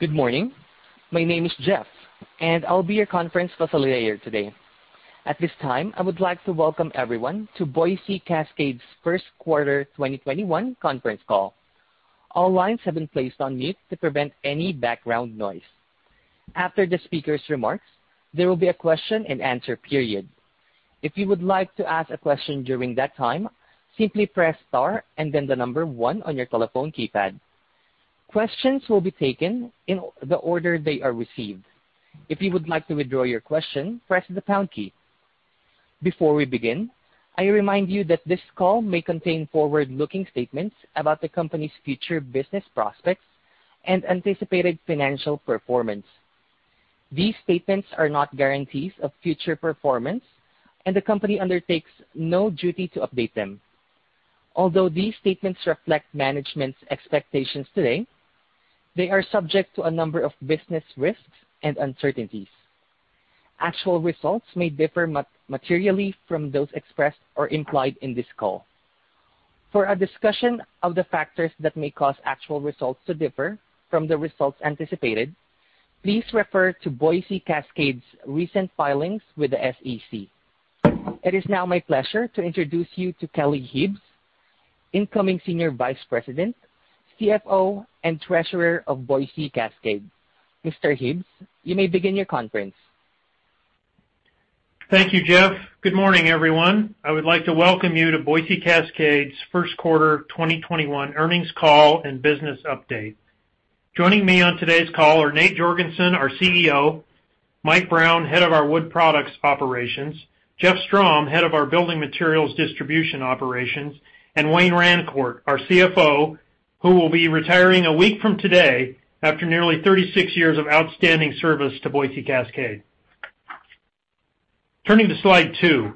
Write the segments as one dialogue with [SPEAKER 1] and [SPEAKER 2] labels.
[SPEAKER 1] Good morning. My name is Jeff, and I'll be your conference facilitator today. At this time, I would like to welcome everyone to Boise Cascade's first quarter 2021 conference call. All lines have been placed on mute to prevent any background noise. After the speaker's remarks, there will be a question-and-answer period. If you would like to ask a question during that time, simply press star and then the number one on your telephone keypad. Questions will be taken in the order they are received. If you would like to withdraw your question, press the pound key. Before we begin, I remind you that this call may contain forward-looking statements about the company's future business prospects and anticipated financial performance. These statements are not guarantees of future performance, and the company undertakes no duty to update them. Although these statements reflect management's expectations today, they are subject to a number of business risks and uncertainties. Actual results may differ materially from those expressed or implied in this call. For a discussion of the factors that may cause actual results to differ from the results anticipated, please refer to Boise Cascade's recent filings with the SEC. It is now my pleasure to introduce you to Kelly Hibbs, incoming Senior Vice President, CFO, and Treasurer of Boise Cascade. Mr. Hibbs, you may begin your conference.
[SPEAKER 2] Thank you, Jeff. Good morning, everyone. I would like to welcome you to Boise Cascade Company's first-quarter 2021 earnings call and business update. Joining me on today's call are Nate Jorgensen, our CEO, Mike Brown, head of our Wood Products operations, Jeff Strom, head of our Building Materials Distribution operations, and Wayne Rancourt, our CFO, who will be retiring a week from today after nearly 36 years of outstanding service to Boise Cascade Company. Turning to slide two,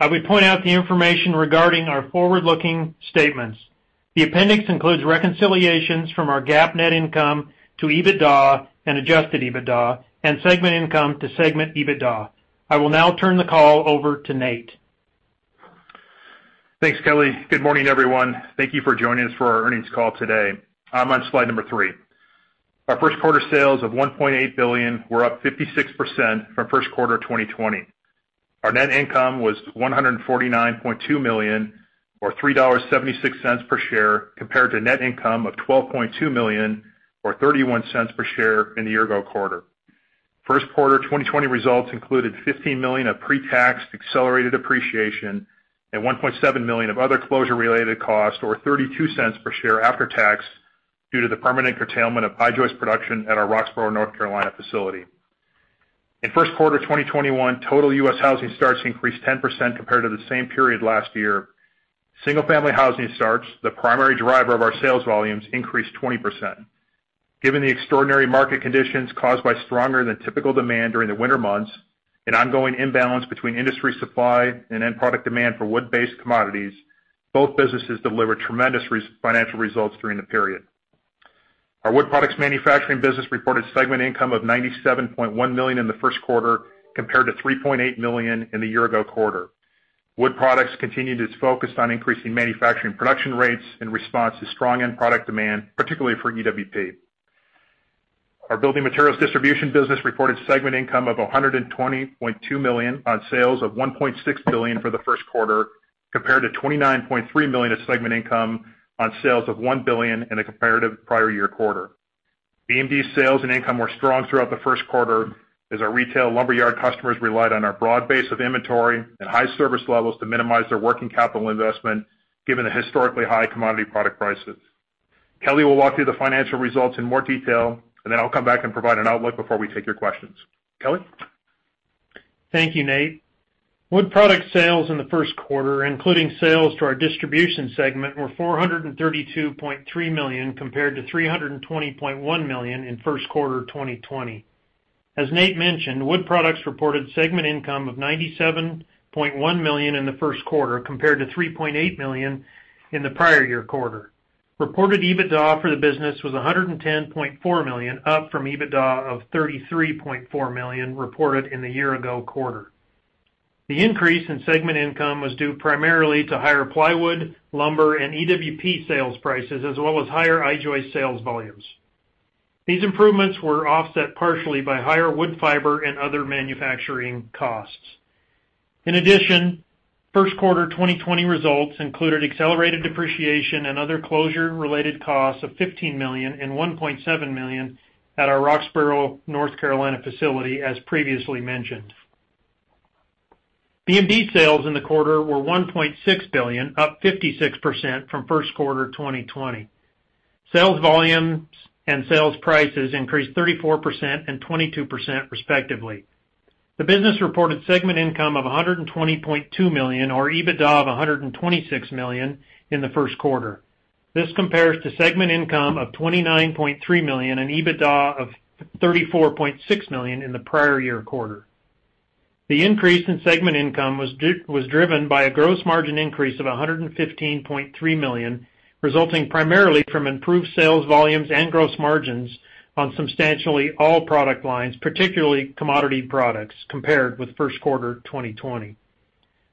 [SPEAKER 2] I would point out the information regarding our forward-looking statements. The appendix includes reconciliations from our GAAP net income to EBITDA and adjusted EBITDA and segment income to segment EBITDA. I will now turn the call over to Nate Jorgensen.
[SPEAKER 3] Thanks, Kelly. Good morning, everyone. Thank you for joining us for our earnings call today. I'm on slide number three. Our first-quarter sales of $1.8 billion were up 56% from first quarter 2020. Our net income was $149.2 million or $3.76 per share compared to net income of $12.2 million or $0.31 per share in the year-ago quarter. First quarter 2020 results included $15 million of pre-tax accelerated depreciation and $1.7 million of other closure-related costs, or $0.32 per share after tax due to the permanent curtailment of I-joist production at our Roxboro, North Carolina facility. In first quarter 2021, total U.S. housing starts increased 10% compared to the same period last year. Single-family housing starts, the primary driver of our sales volumes, increased 20%. Given the extraordinary market conditions caused by stronger than typical demand during the winter months, an ongoing imbalance between industry supply and end product demand for wood-based commodities, both businesses delivered tremendous financial results during the period. Our Wood Products manufacturing business reported segment income of $97.1 million in the first quarter, compared to $3.8 million in the year-ago quarter. Wood Products continued its focus on increasing manufacturing production rates in response to strong end product demand, particularly for EWP. Our Building Materials Distribution business reported segment income of $120.2 million on sales of $1.6 billion for the first quarter, compared to $29.3 million of segment income on sales of $1 billion in the comparative prior year quarter. BMD sales and income were strong throughout the first quarter as our retail lumberyard customers relied on our broad base of inventory and high service levels to minimize their working capital investment given the historically high commodity product prices. Kelly will walk through the financial results in more detail, and then I'll come back and provide an outlook before we take your questions. Kelly?
[SPEAKER 2] Thank you, Nate. Wood Products sales in the first quarter, including sales to our distribution segment, were $432.3 million compared to $320.1 million in first quarter 2020. As Nate mentioned, Wood Products reported segment income of $97.1 million in the first quarter, compared to $3.8 million in the prior year quarter. Reported EBITDA for the business was $110.4 million, up from EBITDA of $33.4 million reported in the year-ago quarter. The increase in segment income was due primarily to higher plywood, lumber, and EWP sales prices as well as higher I-joist sales volumes. These improvements were offset partially by higher wood fiber and other manufacturing costs. In addition, first-quarter 2020 results included accelerated depreciation and other closure-related costs of $15 million and $1.7 million at our Roxboro, North Carolina facility, as previously mentioned. BMD sales in the quarter were $1.6 billion, up 56% from first quarter 2020. Sales volumes and sales prices increased 34% and 22% respectively. The business reported segment income of $120.2 million or EBITDA of $126 million in the first quarter. This compares to segment income of $29.3 million and EBITDA of $34.6 million in the prior year quarter. The increase in segment income was driven by a gross margin increase of $115.3 million, resulting primarily from improved sales volumes and gross margins on substantially all product lines, particularly commodity products, compared with first quarter 2020.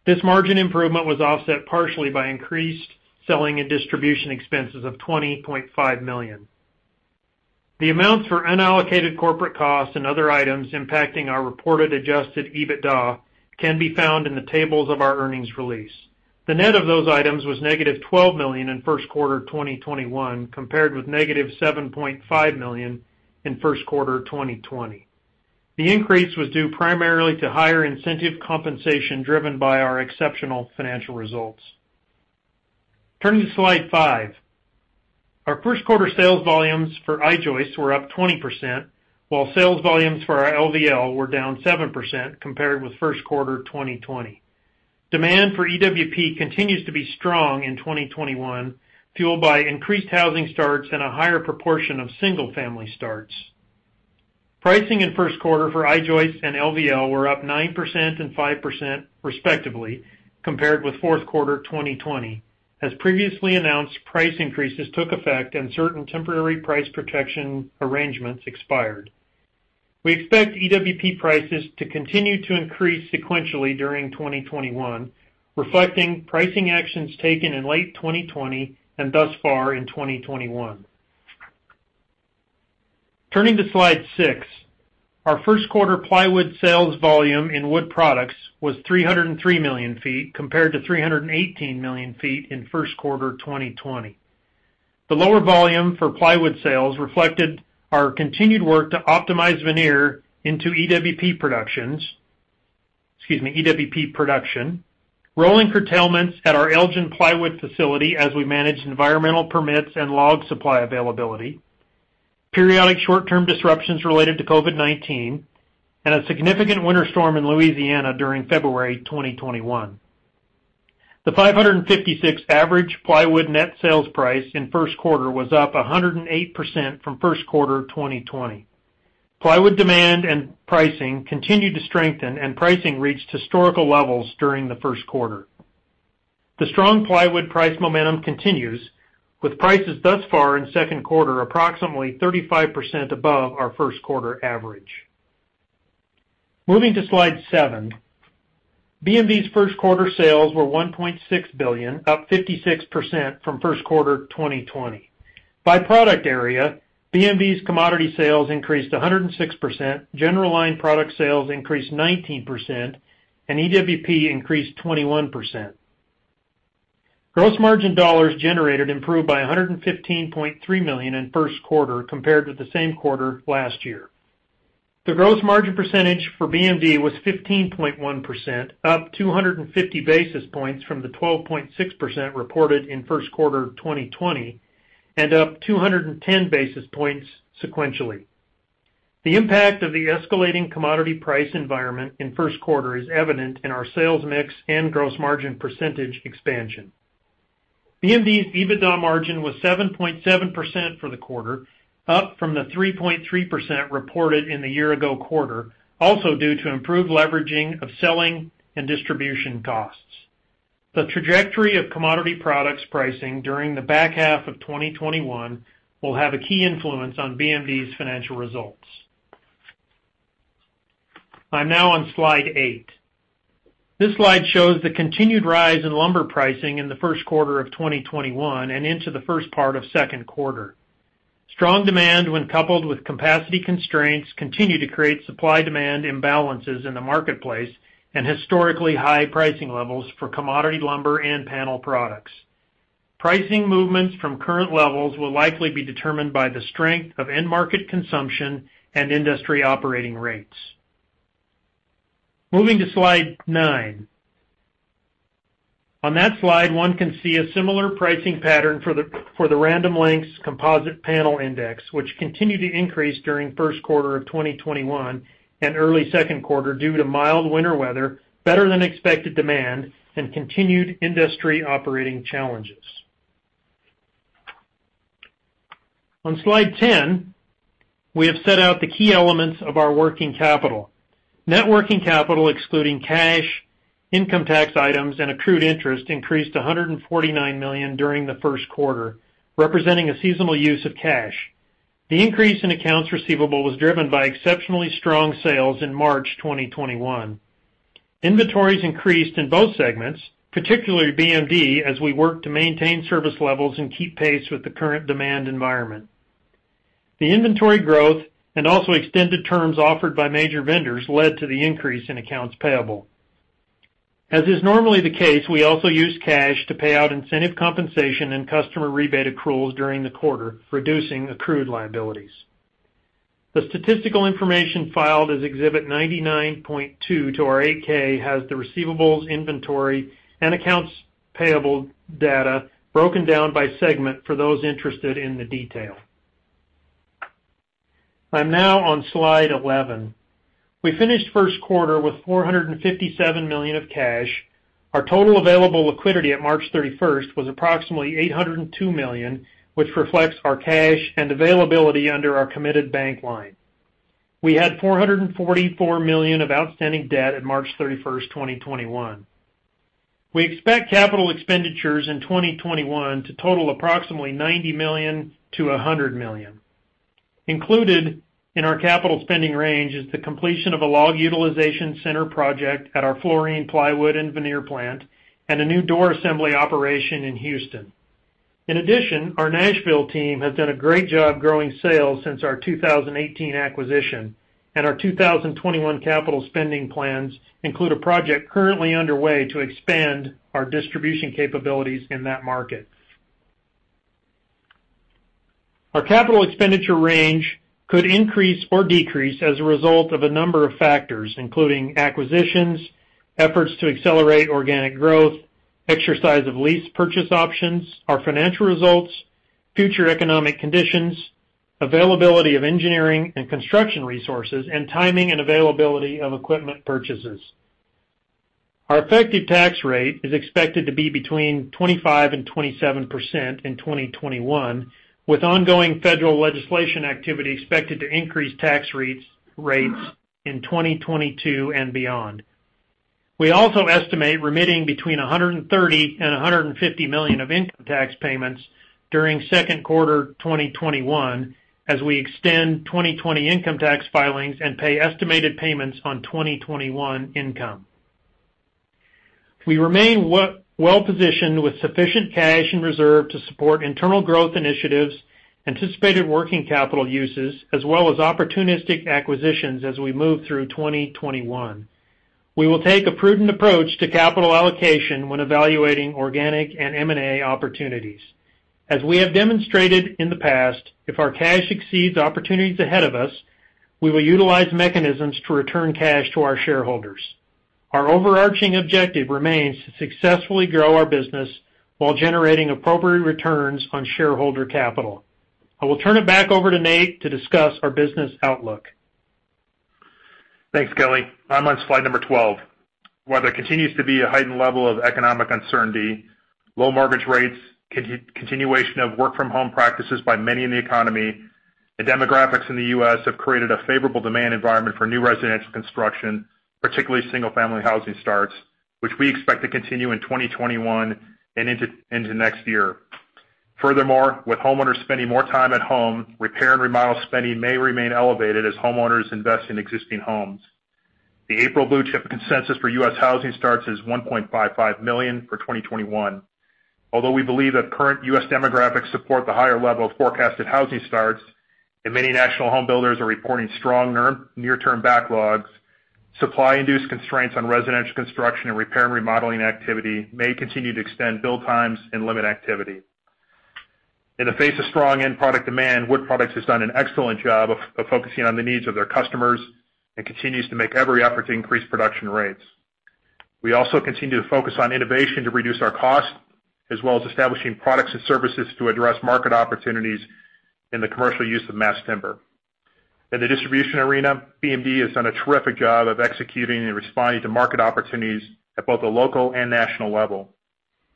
[SPEAKER 2] This margin improvement was offset partially by increased selling and distribution expenses of $20.5 million. The amounts for unallocated corporate costs and other items impacting our reported adjusted EBITDA can be found in the tables of our earnings release. The net of those items was -$12 million in first quarter 2021 compared with -$7.5 million in first quarter 2020. The increase was due primarily to higher incentive compensation driven by our exceptional financial results. Turning to slide five. Our first quarter sales volumes for I-joists were up 20%, while sales volumes for our LVL were down 7% compared with first quarter 2020. Demand for EWP continues to be strong in 2021, fueled by increased housing starts and a higher proportion of single-family starts. Pricing in first quarter for I-joists and LVL were up 9% and 5%, respectively, compared with fourth quarter 2020. As previously announced, price increases took effect and certain temporary price protection arrangements expired. We expect EWP prices to continue to increase sequentially during 2021, reflecting pricing actions taken in late 2020 and thus far in 2021. Turning to slide six. Our first quarter plywood sales volume in Wood Products was 303 million feet, compared to 318 million feet in first quarter 2020. The lower volume for plywood sales reflected our continued work to optimize veneer into EWP production. Excuse me. Rolling curtailments at our Florien plywood facility as we manage environmental permits and log supply availability, periodic short-term disruptions related to COVID-19, and a significant winter storm in Louisiana during February 2021. The $556 average plywood net sales price in first quarter was up 108% from first quarter 2020. Plywood demand and pricing continued to strengthen and pricing reached historical levels during the first quarter. The strong plywood price momentum continues, with prices thus far in second quarter approximately 35% above our first quarter average. Moving to slide seven. BMD's first quarter sales were $1.6 billion, up 56% from first quarter 2020. By product area, BMD's commodity sales increased 106%, general line product sales increased 19%, and EWP increased 21%. Gross margin dollars generated improved by $115.3 million in first quarter compared with the same quarter last year. The gross margin percentage for BMD was 15.1%, up 250 basis points from the 12.6% reported in first quarter 2020 and up 210 basis points sequentially. The impact of the escalating commodity price environment in first quarter is evident in our sales mix and gross margin percentage expansion. BMD's EBITDA margin was 7.7% for the quarter, up from the 3.3% reported in the year-ago quarter, also due to improved leveraging of selling and distribution costs. The trajectory of commodity products pricing during the back half of 2021 will have a key influence on BMD's financial results. I'm now on slide eight. This slide shows the continued rise in lumber pricing in the first quarter of 2021 and into the first part of second quarter. Strong demand, when coupled with capacity constraints, continue to create supply-demand imbalances in the marketplace and historically high pricing levels for commodity lumber and panel products. Pricing movements from current levels will likely be determined by the strength of end market consumption and industry operating rates. Moving to slide nine. On that slide, one can see a similar pricing pattern for the Random Lengths composite panel index, which continued to increase during first quarter of 2021 and early second quarter due to mild winter weather, better than expected demand, and continued industry operating challenges. On slide 10, we have set out the key elements of our working capital. Net working capital excluding cash, income tax items, and accrued interest increased to $149 million during the first quarter, representing a seasonal use of cash. The increase in accounts receivable was driven by exceptionally strong sales in March 2021. Inventories increased in both segments, particularly BMD, as we work to maintain service levels and keep pace with the current demand environment. The inventory growth and also extended terms offered by major vendors led to the increase in accounts payable. As is normally the case, we also use cash to pay out incentive compensation and customer rebate accruals during the quarter, reducing accrued liabilities. The statistical information filed as Exhibit 99.2 to our 8-K has the receivables, inventory, and accounts payable data broken down by segment for those interested in the detail. I'm now on slide 11. We finished first quarter with $457 million of cash. Our total available liquidity at March 31st was approximately $802 million, which reflects our cash and availability under our committed bank line. We had $444 million of outstanding debt at March 31st, 2021. We expect capital expenditures in 2021 to total approximately $90 million-$100 million. Included in our capital spending range is the completion of a log utilization center project at our Florien plywood and veneer plant and a new door assembly operation in Houston. In addition, our Nashville team has done a great job growing sales since our 2018 acquisition, and our 2021 capital spending plans include a project currently underway to expand our distribution capabilities in that market. Our capital expenditure range could increase or decrease as a result of a number of factors, including acquisitions, efforts to accelerate organic growth, exercise of lease purchase options, our financial results, future economic conditions, availability of engineering and construction resources, and timing and availability of equipment purchases. Our effective tax rate is expected to be between 25% and 27% in 2021, with ongoing federal legislation activity expected to increase tax rates in 2022 and beyond. We also estimate remitting between $130 million and $150 million of income tax payments during second quarter 2021 as we extend 2020 income tax filings and pay estimated payments on 2021 income. We remain well-positioned with sufficient cash and reserve to support internal growth initiatives, anticipated working capital uses, as well as opportunistic acquisitions as we move through 2021. We will take a prudent approach to capital allocation when evaluating organic and M&A opportunities. As we have demonstrated in the past, if our cash exceeds opportunities ahead of us, we will utilize mechanisms to return cash to our shareholders. Our overarching objective remains to successfully grow our business while generating appropriate returns on shareholder capital. I will turn it back over to Nate to discuss our business outlook.
[SPEAKER 3] Thanks, Kelly. I'm on slide number 12. While there continues to be a heightened level of economic uncertainty, low mortgage rates, continuation of work-from-home practices by many in the economy, the demographics in the U.S. have created a favorable demand environment for new residential construction, particularly single-family housing starts, which we expect to continue in 2021 and into next year. With homeowners spending more time at home, repair and remodel spending may remain elevated as homeowners invest in existing homes. The April Blue Chip consensus for U.S. housing starts is 1.55 million for 2021. Although we believe that current U.S. demographics support the higher level of forecasted housing starts and many national home builders are reporting strong near-term backlogs, supply-induced constraints on residential construction and repair and remodeling activity may continue to extend build times and limit activity. In the face of strong end product demand, Wood Products has done an excellent job of focusing on the needs of their customers and continues to make every effort to increase production rates. We also continue to focus on innovation to reduce our cost, as well as establishing products and services to address market opportunities in the commercial use of mass timber. In the distribution arena, BMD has done a terrific job of executing and responding to market opportunities at both the local and national level.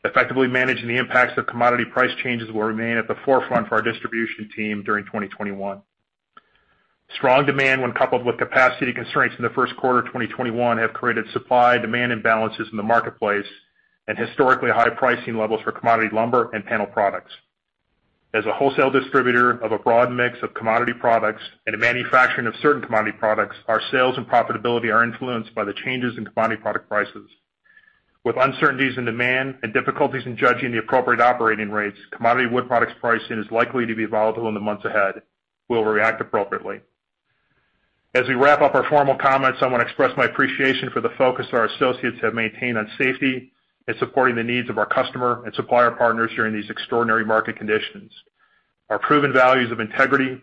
[SPEAKER 3] Effectively managing the impacts of commodity price changes will remain at the forefront for our distribution team during 2021. Strong demand, when coupled with capacity constraints in the first quarter 2021, have created supply-demand imbalances in the marketplace and historically high pricing levels for commodity lumber and panel products. As a wholesale distributor of a broad mix of commodity products and a manufacturer of certain commodity products, our sales and profitability are influenced by the changes in commodity product prices. With uncertainties in demand and difficulties in judging the appropriate operating rates, commodity wood products pricing is likely to be volatile in the months ahead. We'll react appropriately. As we wrap up our formal comments, I want to express my appreciation for the focus our associates have maintained on safety and supporting the needs of our customer and supplier partners during these extraordinary market conditions. Our proven values of integrity,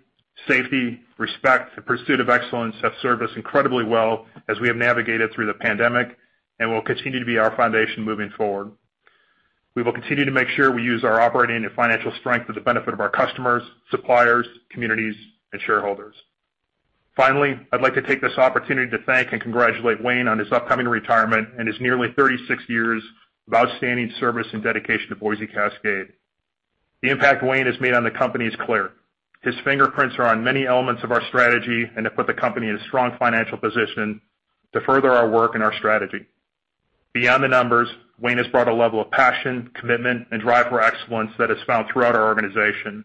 [SPEAKER 3] safety, respect, and pursuit of excellence have served us incredibly well as we have navigated through the pandemic and will continue to be our foundation moving forward. We will continue to make sure we use our operating and financial strength for the benefit of our customers, suppliers, communities, and shareholders. Finally, I'd like to take this opportunity to thank and congratulate Wayne on his upcoming retirement and his nearly 36 years of outstanding service and dedication to Boise Cascade. The impact Wayne has made on the company is clear. His fingerprints are on many elements of our strategy and have put the company in a strong financial position to further our work and our strategy. Beyond the numbers, Wayne has brought a level of passion, commitment, and drive for excellence that is found throughout our organization,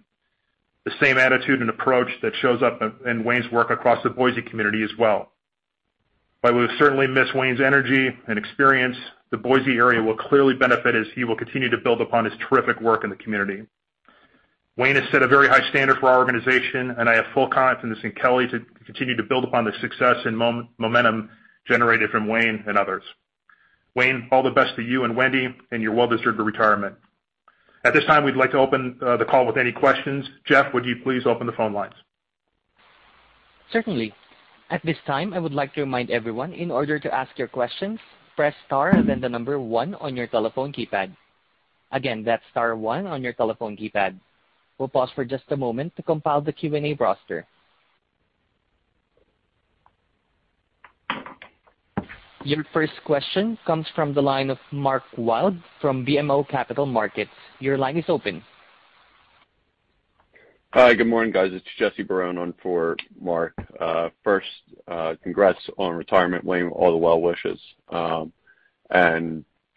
[SPEAKER 3] the same attitude and approach that shows up in Wayne's work across the Boise community as well. While we will certainly miss Wayne's energy and experience, the Boise area will clearly benefit as he will continue to build upon his terrific work in the community. Wayne has set a very high standard for our organization, and I have full confidence in Kelly to continue to build upon the success and momentum generated from Wayne and others. Wayne, all the best to you and Wendy in your well-deserved retirement. At this time, we'd like to open the call with any questions. Jeff, would you please open the phone lines?
[SPEAKER 1] Certainly. At this time, I would like to remind everyone, in order to ask your questions, press star, then the number one on your telephone keypad. Again, that's star one on your telephone keypad. We'll pause for just a moment to compile the Q&A roster. Your first question comes from the line of Mark Wilde from BMO Capital Markets. Your line is open.
[SPEAKER 4] Hi. Good morning, guys. It's Jesse Barone on for Mark. First, congrats on retirement, Wayne. All the well wishes.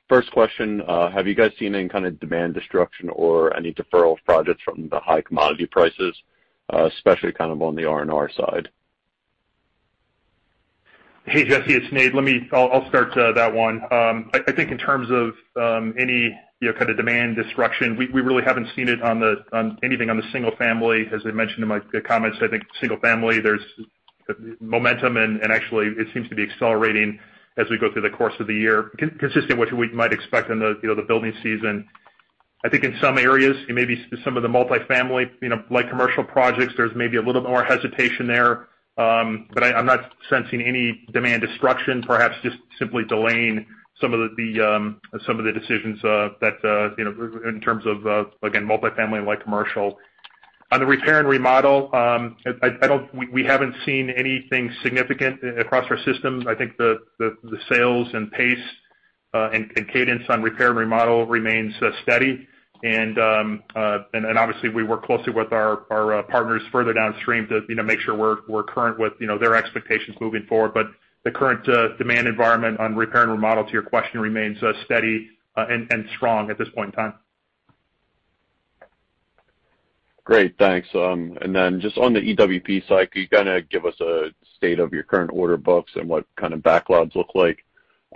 [SPEAKER 4] First question, have you guys seen any kind of demand destruction or any deferral of projects from the high commodity prices, especially on the R&R side?
[SPEAKER 3] Hey, Jesse, it's Nate Jorgensen. I'll start that one. I think in terms of any kind of demand destruction, we really haven't seen it on anything on the single family. As I mentioned in my comments, I think single family, there's momentum, and actually, it seems to be accelerating as we go through the course of the year, consistent with what we might expect in the building season. I think in some areas, maybe some of the multi-family, light commercial projects, there's maybe a little more hesitation there. I'm not sensing any demand destruction, perhaps just simply delaying some of the decisions that, in terms of, again, multi-family and light commercial. On the repair and remodel, we haven't seen anything significant across our system. I think the sales and pace, and cadence on repair and remodel remains steady. Obviously we work closely with our partners further downstream to make sure we're current with their expectations moving forward. The current demand environment on repair and remodel, to your question, remains steady and strong at this point in time.
[SPEAKER 4] Great. Thanks. Just on the EWP side, could you give us a state of your current order books and what kind of backlogs look like?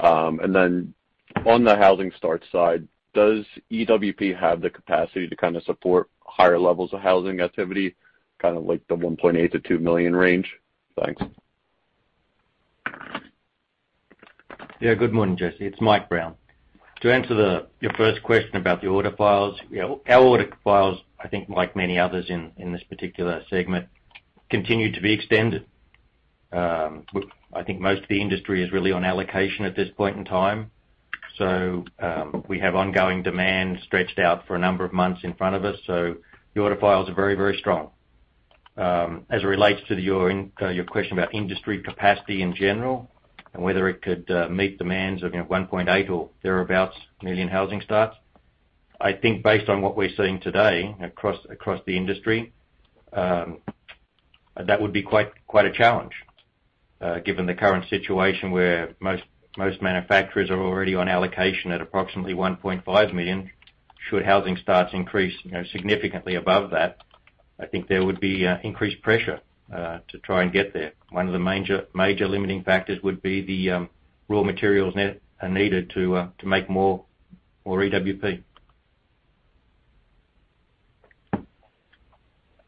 [SPEAKER 4] On the housing start side, does EWP have the capacity to support higher levels of housing activity, like the $1.8 million-$2 million range? Thanks.
[SPEAKER 5] Good morning, Jesse. It's Mike Brown. To answer your first question about the order files. Our order files, I think, like many others in this particular segment, continue to be extended. I think most of the industry is really on allocation at this point in time. We have ongoing demand stretched out for a number of months in front of us, so the order files are very, very strong. As it relates to your question about industry capacity in general, and whether it could meet demands of 1.8 or thereabouts million housing starts. I think based on what we're seeing today across the industry, that would be quite a challenge, given the current situation where most manufacturers are already on allocation at approximately 1.5 million. Should housing starts increase significantly above that, I think there would be increased pressure to try and get there. One of the major limiting factors would be the raw materials needed to make more EWP.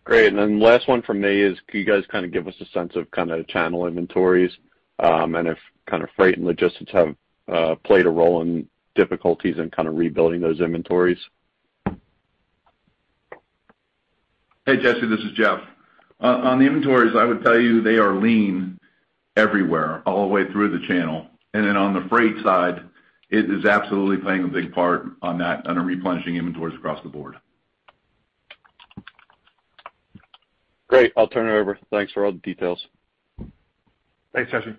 [SPEAKER 4] Great. Last one from me is, could you guys give us a sense of channel inventories, and if freight and logistics have played a role in difficulties in rebuilding those inventories?
[SPEAKER 6] Hey, Jesse, this is Jeff. On the inventories, I would tell you they are lean everywhere, all the way through the channel. On the freight side, it is absolutely playing a big part on that under replenishing inventories across the board.
[SPEAKER 4] Great. I'll turn it over. Thanks for all the details.
[SPEAKER 3] Thanks, Jesse.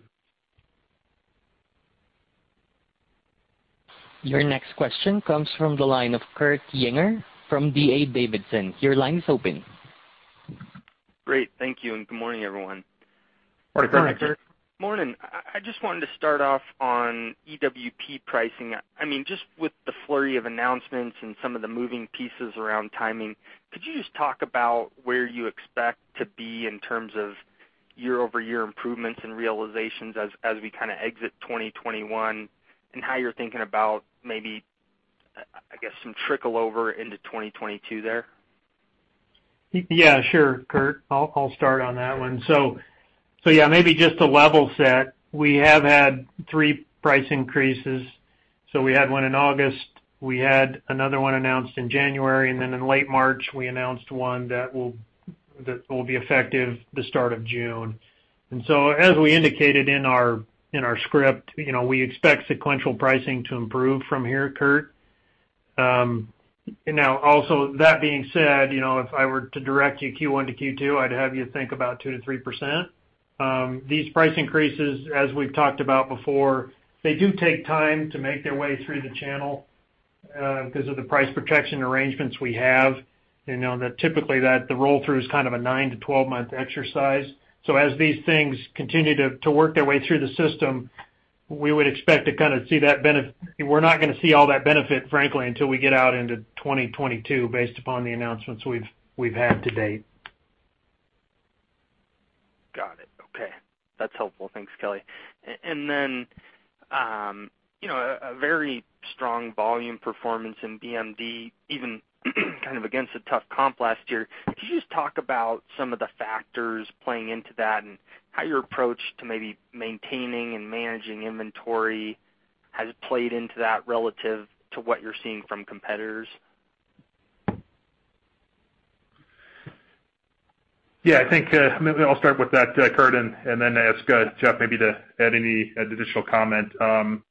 [SPEAKER 1] Your next question comes from the line of Kurt Yinger from D.A. Davidson. Your line is open.
[SPEAKER 7] Great. Thank you. Good morning, everyone.
[SPEAKER 3] Morning, Kurt.
[SPEAKER 7] Morning. I just wanted to start off on EWP pricing. Just with the flurry of announcements and some of the moving pieces around timing, could you just talk about where you expect to be in terms of year-over-year improvements and realizations as we exit 2021, and how you're thinking about maybe, I guess, some trickle over into 2022 there?
[SPEAKER 2] Yeah, sure, Kurt. I'll start on that one. Yeah, maybe just to level set. We have had three price increases. We had one in August, we had another one announced in January, in late March, we announced one that will be effective the start of June. As we indicated in our script, we expect sequential pricing to improve from here, Kurt. Now, also that being said, if I were to direct you Q1 to Q2, I'd have you think about 2%-3%. These price increases, as we've talked about before, they do take time to make their way through the channel, because of the price protection arrangements we have. Typically, the roll-through is kind of a nine-12 month exercise. As these things continue to work their way through the system, we would expect to kind of see that we're not going to see all that benefit, frankly, until we get out into 2022, based upon the announcements we've had to date.
[SPEAKER 7] Got it. Okay. That's helpful. Thanks, Kelly. A very strong volume performance in BMD, even kind of against a tough comp last year. Could you just talk about some of the factors playing into that, and how your approach to maybe maintaining and managing inventory has played into that relative to what you're seeing from competitors?
[SPEAKER 3] Yeah, I think maybe I'll start with that, Kurt, and then ask Jeff maybe to add any additional comment.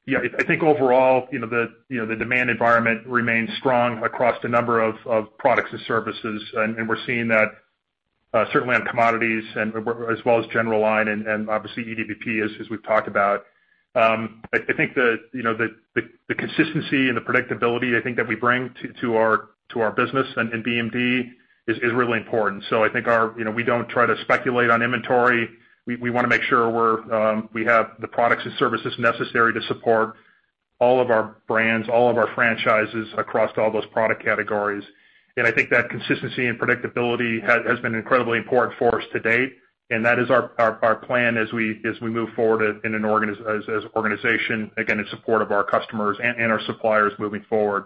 [SPEAKER 3] Yeah, I think overall, the demand environment remains strong across a number of products and services. We're seeing that certainly on commodities as well as general line and obviously EWP, as we've talked about. I think the consistency and the predictability, I think that we bring to our business and BMD is really important. I think we don't try to speculate on inventory. We want to make sure we have the products and services necessary to support all of our brands, all of our franchises across all those product categories. I think that consistency and predictability has been incredibly important for us to date, and that is our plan as we move forward as an organization, again, in support of our customers and our suppliers moving forward.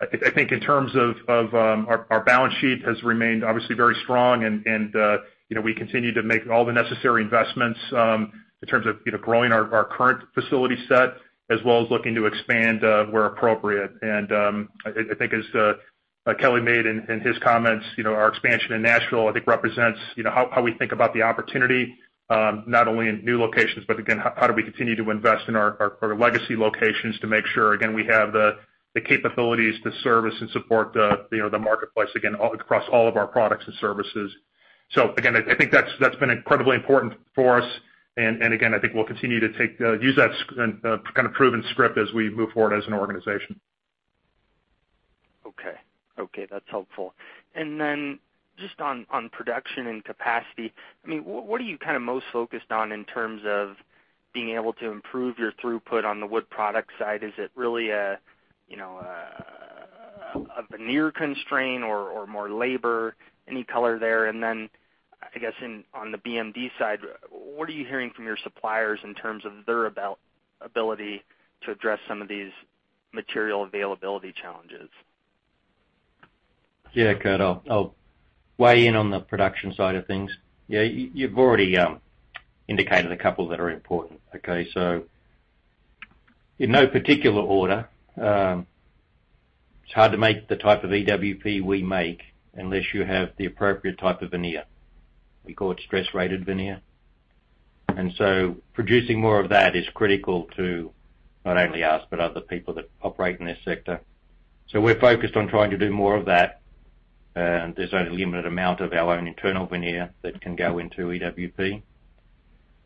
[SPEAKER 3] I think in terms of our balance sheet has remained obviously very strong and we continue to make all the necessary investments in terms of growing our current facility set as well as looking to expand where appropriate. I think as Kelly made in his comments, our expansion in Nashville, I think represents how we think about the opportunity, not only in new locations, but again, how do we continue to invest in our legacy locations to make sure, again, we have the capabilities to service and support the marketplace, again, across all of our products and services. Again, I think that's been incredibly important for us. Again, I think we'll continue to use that kind of proven script as we move forward as an organization.
[SPEAKER 7] Okay. That's helpful. Just on production and capacity, I mean, what are you most focused on in terms of being able to improve your throughput on the Wood Products side? Is it really a veneer constraint or more labor? Any color there. I guess on the BMD side, what are you hearing from your suppliers in terms of their ability to address some of these material availability challenges?
[SPEAKER 5] Yeah, Kurt, I'll weigh in on the production side of things. Yeah, you've already indicated a couple that are important. Okay, in no particular order, it's hard to make the type of EWP we make unless you have the appropriate type of veneer. We call it stress-rated veneer. Producing more of that is critical to not only us, but other people that operate in this sector. We're focused on trying to do more of that. There's only a limited amount of our own internal veneer that can go into EWP.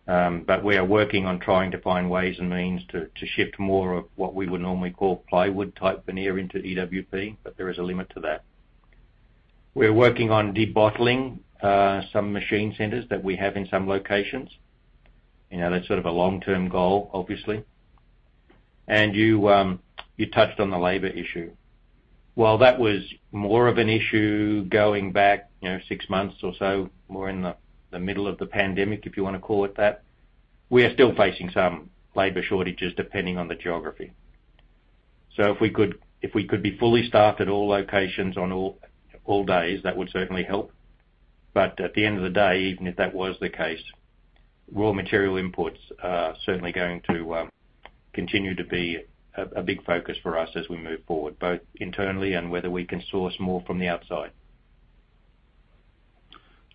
[SPEAKER 5] We are working on trying to find ways and means to shift more of what we would normally call plywood type veneer into EWP, but there is a limit to that. We're working on debottling some machine centers that we have in some locations. That's sort of a long-term goal, obviously. You touched on the labor issue. While that was more of an issue going back six months or so, more in the middle of the pandemic, if you want to call it that, we are still facing some labor shortages depending on the geography. If we could be fully staffed at all locations on all days, that would certainly help. At the end of the day, even if that was the case, raw material imports are certainly going to continue to be a big focus for us as we move forward, both internally and whether we can source more from the outside.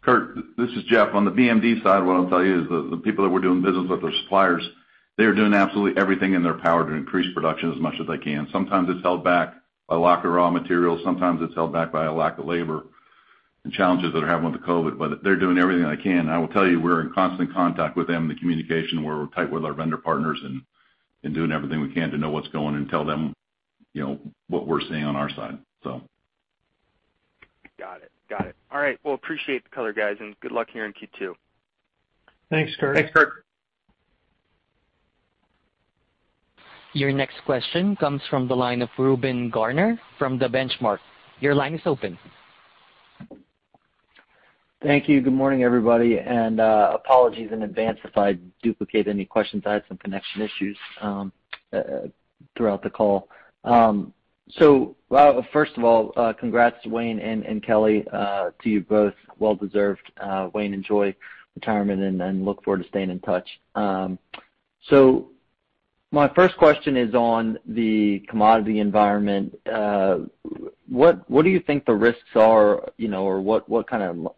[SPEAKER 6] Kurt, this is Jeff. On the BMD side, what I'll tell you is the people that we're doing business with, our suppliers, they are doing absolutely everything in their power to increase production as much as they can. Sometimes it's held back by lack of raw materials, sometimes it's held back by a lack of labor and challenges that are happening with the COVID, but they're doing everything they can. I will tell you, we're in constant contact with them, the communication, we're tight with our vendor partners and doing everything we can to know what's going and tell them what we're seeing on our side.
[SPEAKER 7] Got it. All right. Well, appreciate the color, guys, and good luck here in Q2.
[SPEAKER 3] Thanks, Kurt.
[SPEAKER 5] Thanks, Kurt.
[SPEAKER 1] Your next question comes from the line of Reuben Garner from The Benchmark. Your line is open.
[SPEAKER 8] Thank you. Good morning, everybody, and apologies in advance if I duplicate any questions. I had some connection issues throughout the call. First of all, congrats to Wayne and Kelly to you both. Well deserved. Wayne, enjoy retirement and look forward to staying in touch. My first question is on the commodity environment. What do you think the risks are, or what kind of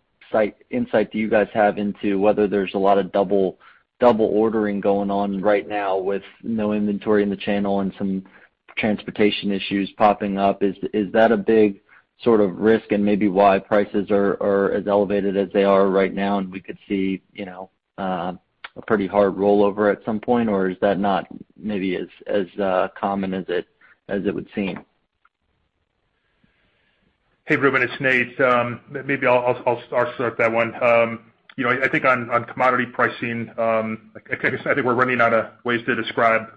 [SPEAKER 8] insight do you guys have into whether there's a lot of double ordering going on right now with no inventory in the channel and some transportation issues popping up? Is that a big sort of risk and maybe why prices are as elevated as they are right now and we could see a pretty hard rollover at some point, or is that not maybe as common as it would seem?
[SPEAKER 3] Hey, Reuben, it's Nate. Maybe I'll start that one. I think on commodity pricing, I think we're running out of ways to describe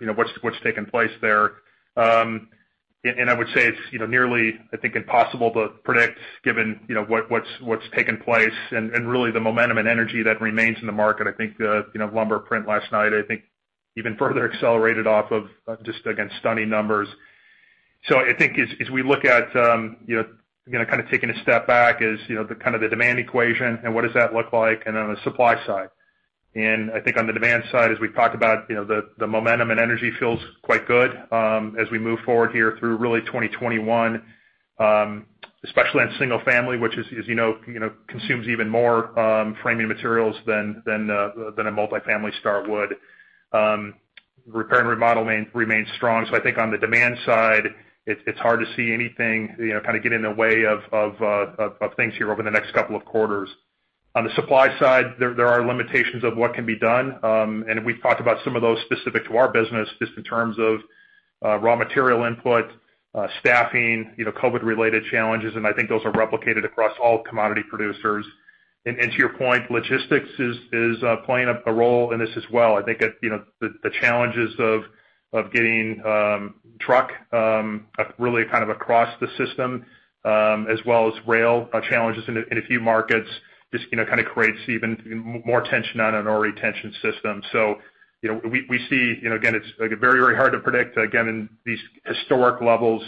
[SPEAKER 3] what's taking place there. I would say it's nearly, I think, impossible to predict given what's taking place and really the momentum and energy that remains in the market. I think the lumber print last night, I think even further accelerated off of just, again, stunning numbers. I think as we look at kind of taking a step back is the kind of the demand equation and what does that look like and on the supply side. I think on the demand side, as we've talked about, the momentum and energy feels quite good as we move forward here through really 2021, especially on single family, which as you know consumes even more framing materials than a multi-family start would. Repair and remodel remains strong. I think on the demand side, it's hard to see anything kind of get in the way of things here over the next couple of quarters. On the supply side, there are limitations of what can be done. We've talked about some of those specific to our business just in terms of raw material input, staffing, COVID-related challenges, and I think those are replicated across all commodity producers. To your point, logistics is playing a role in this as well. I think the challenges of getting truck really kind of across the system, as well as rail challenges in a few markets, just kind of creates even more tension on an already tensioned system. We see, again, it's very hard to predict, again, in these historic levels.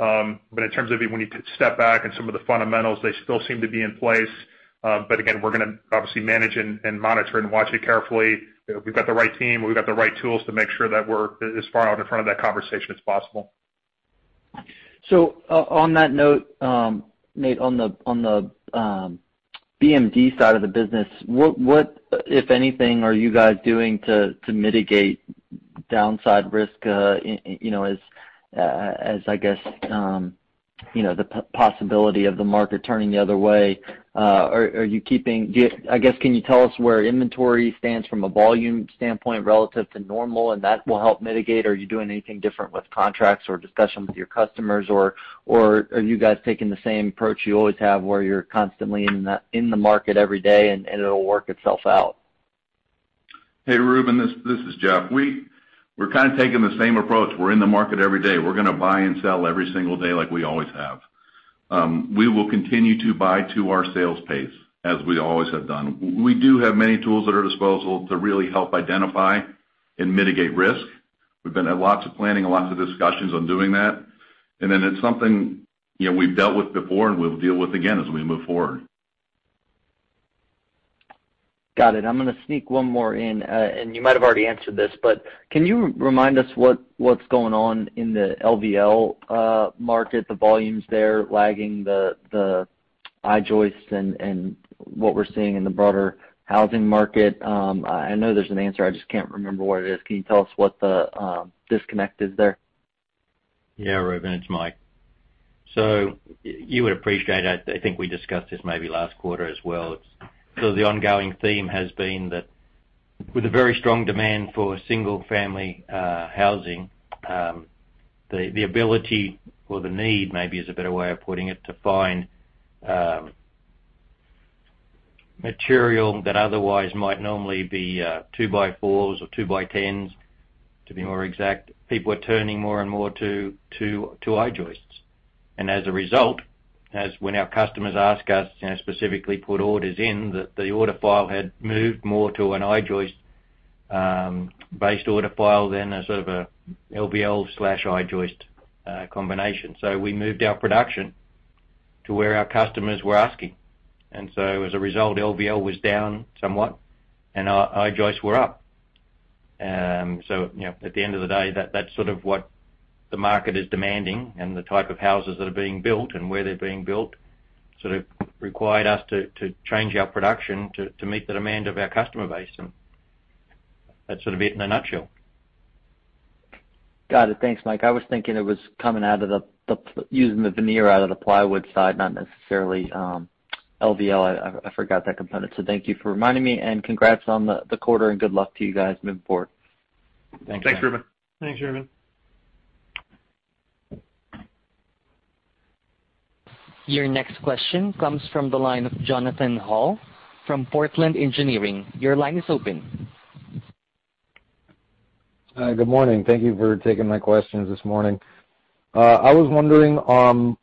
[SPEAKER 3] In terms of when you step back and some of the fundamentals, they still seem to be in place. Again, we're going to obviously manage and monitor and watch it carefully. We've got the right team, we've got the right tools to make sure that we're as far out in front of that conversation as possible.
[SPEAKER 8] On that note, Nate, on the BMD side of the business, what, if anything, are you guys doing to mitigate downside risk as the possibility of the market turning the other way? I guess, can you tell us where inventory stands from a volume standpoint relative to normal, and that will help mitigate? Are you doing anything different with contracts or discussions with your customers, or are you guys taking the same approach you always have, where you're constantly in the market every day and it'll work itself out?
[SPEAKER 6] Hey, Reuben, this is Jeff. We're kind of taking the same approach. We're in the market every day. We're going to buy and sell every single day like we always have. We will continue to buy to our sales pace, as we always have done. We do have many tools at our disposal to really help identify and mitigate risk. We've been at lots of planning, lots of discussions on doing that. It's something we've dealt with before and we'll deal with again as we move forward.
[SPEAKER 8] Got it. I'm going to sneak one more in. You might have already answered this, but can you remind us what's going on in the LVL market, the volumes there lagging the I-joists and what we're seeing in the broader housing market? I know there's an answer, I just can't remember what it is. Can you tell us what the disconnect is there?
[SPEAKER 5] Yeah, Reuben, it's Mike. You would appreciate, I think we discussed this maybe last quarter as well. The ongoing theme has been that with a very strong demand for single-family housing, the ability, or the need maybe is a better way of putting it, to find material that otherwise might normally be two by fours or two by tens, to be more exact. People are turning more and more to I-joists. As a result, as when our customers ask us, specifically put orders in, that the order file had moved more to an I-joist based order file than a sort of a LVL/I-joist combination. We moved our production to where our customers were asking. As a result, LVL was down somewhat, and I-joists were up. At the end of the day, that's sort of what the market is demanding, and the type of houses that are being built and where they're being built sort of required us to change our production to meet the demand of our customer base. That's sort of it in a nutshell.
[SPEAKER 8] Got it. Thanks, Mike. I was thinking it was using the veneer out of the plywood side, not necessarily LVL. I forgot that component, so thank you for reminding me. Congrats on the quarter, and good luck to you guys moving forward.
[SPEAKER 5] Thanks.
[SPEAKER 6] Thanks, Reuben.
[SPEAKER 3] Thanks, Reuben.
[SPEAKER 1] Your next question comes from the line of Jonathan Hall from Portland Engineering. Your line is open.
[SPEAKER 9] Good morning. Thank you for taking my questions this morning. I was wondering,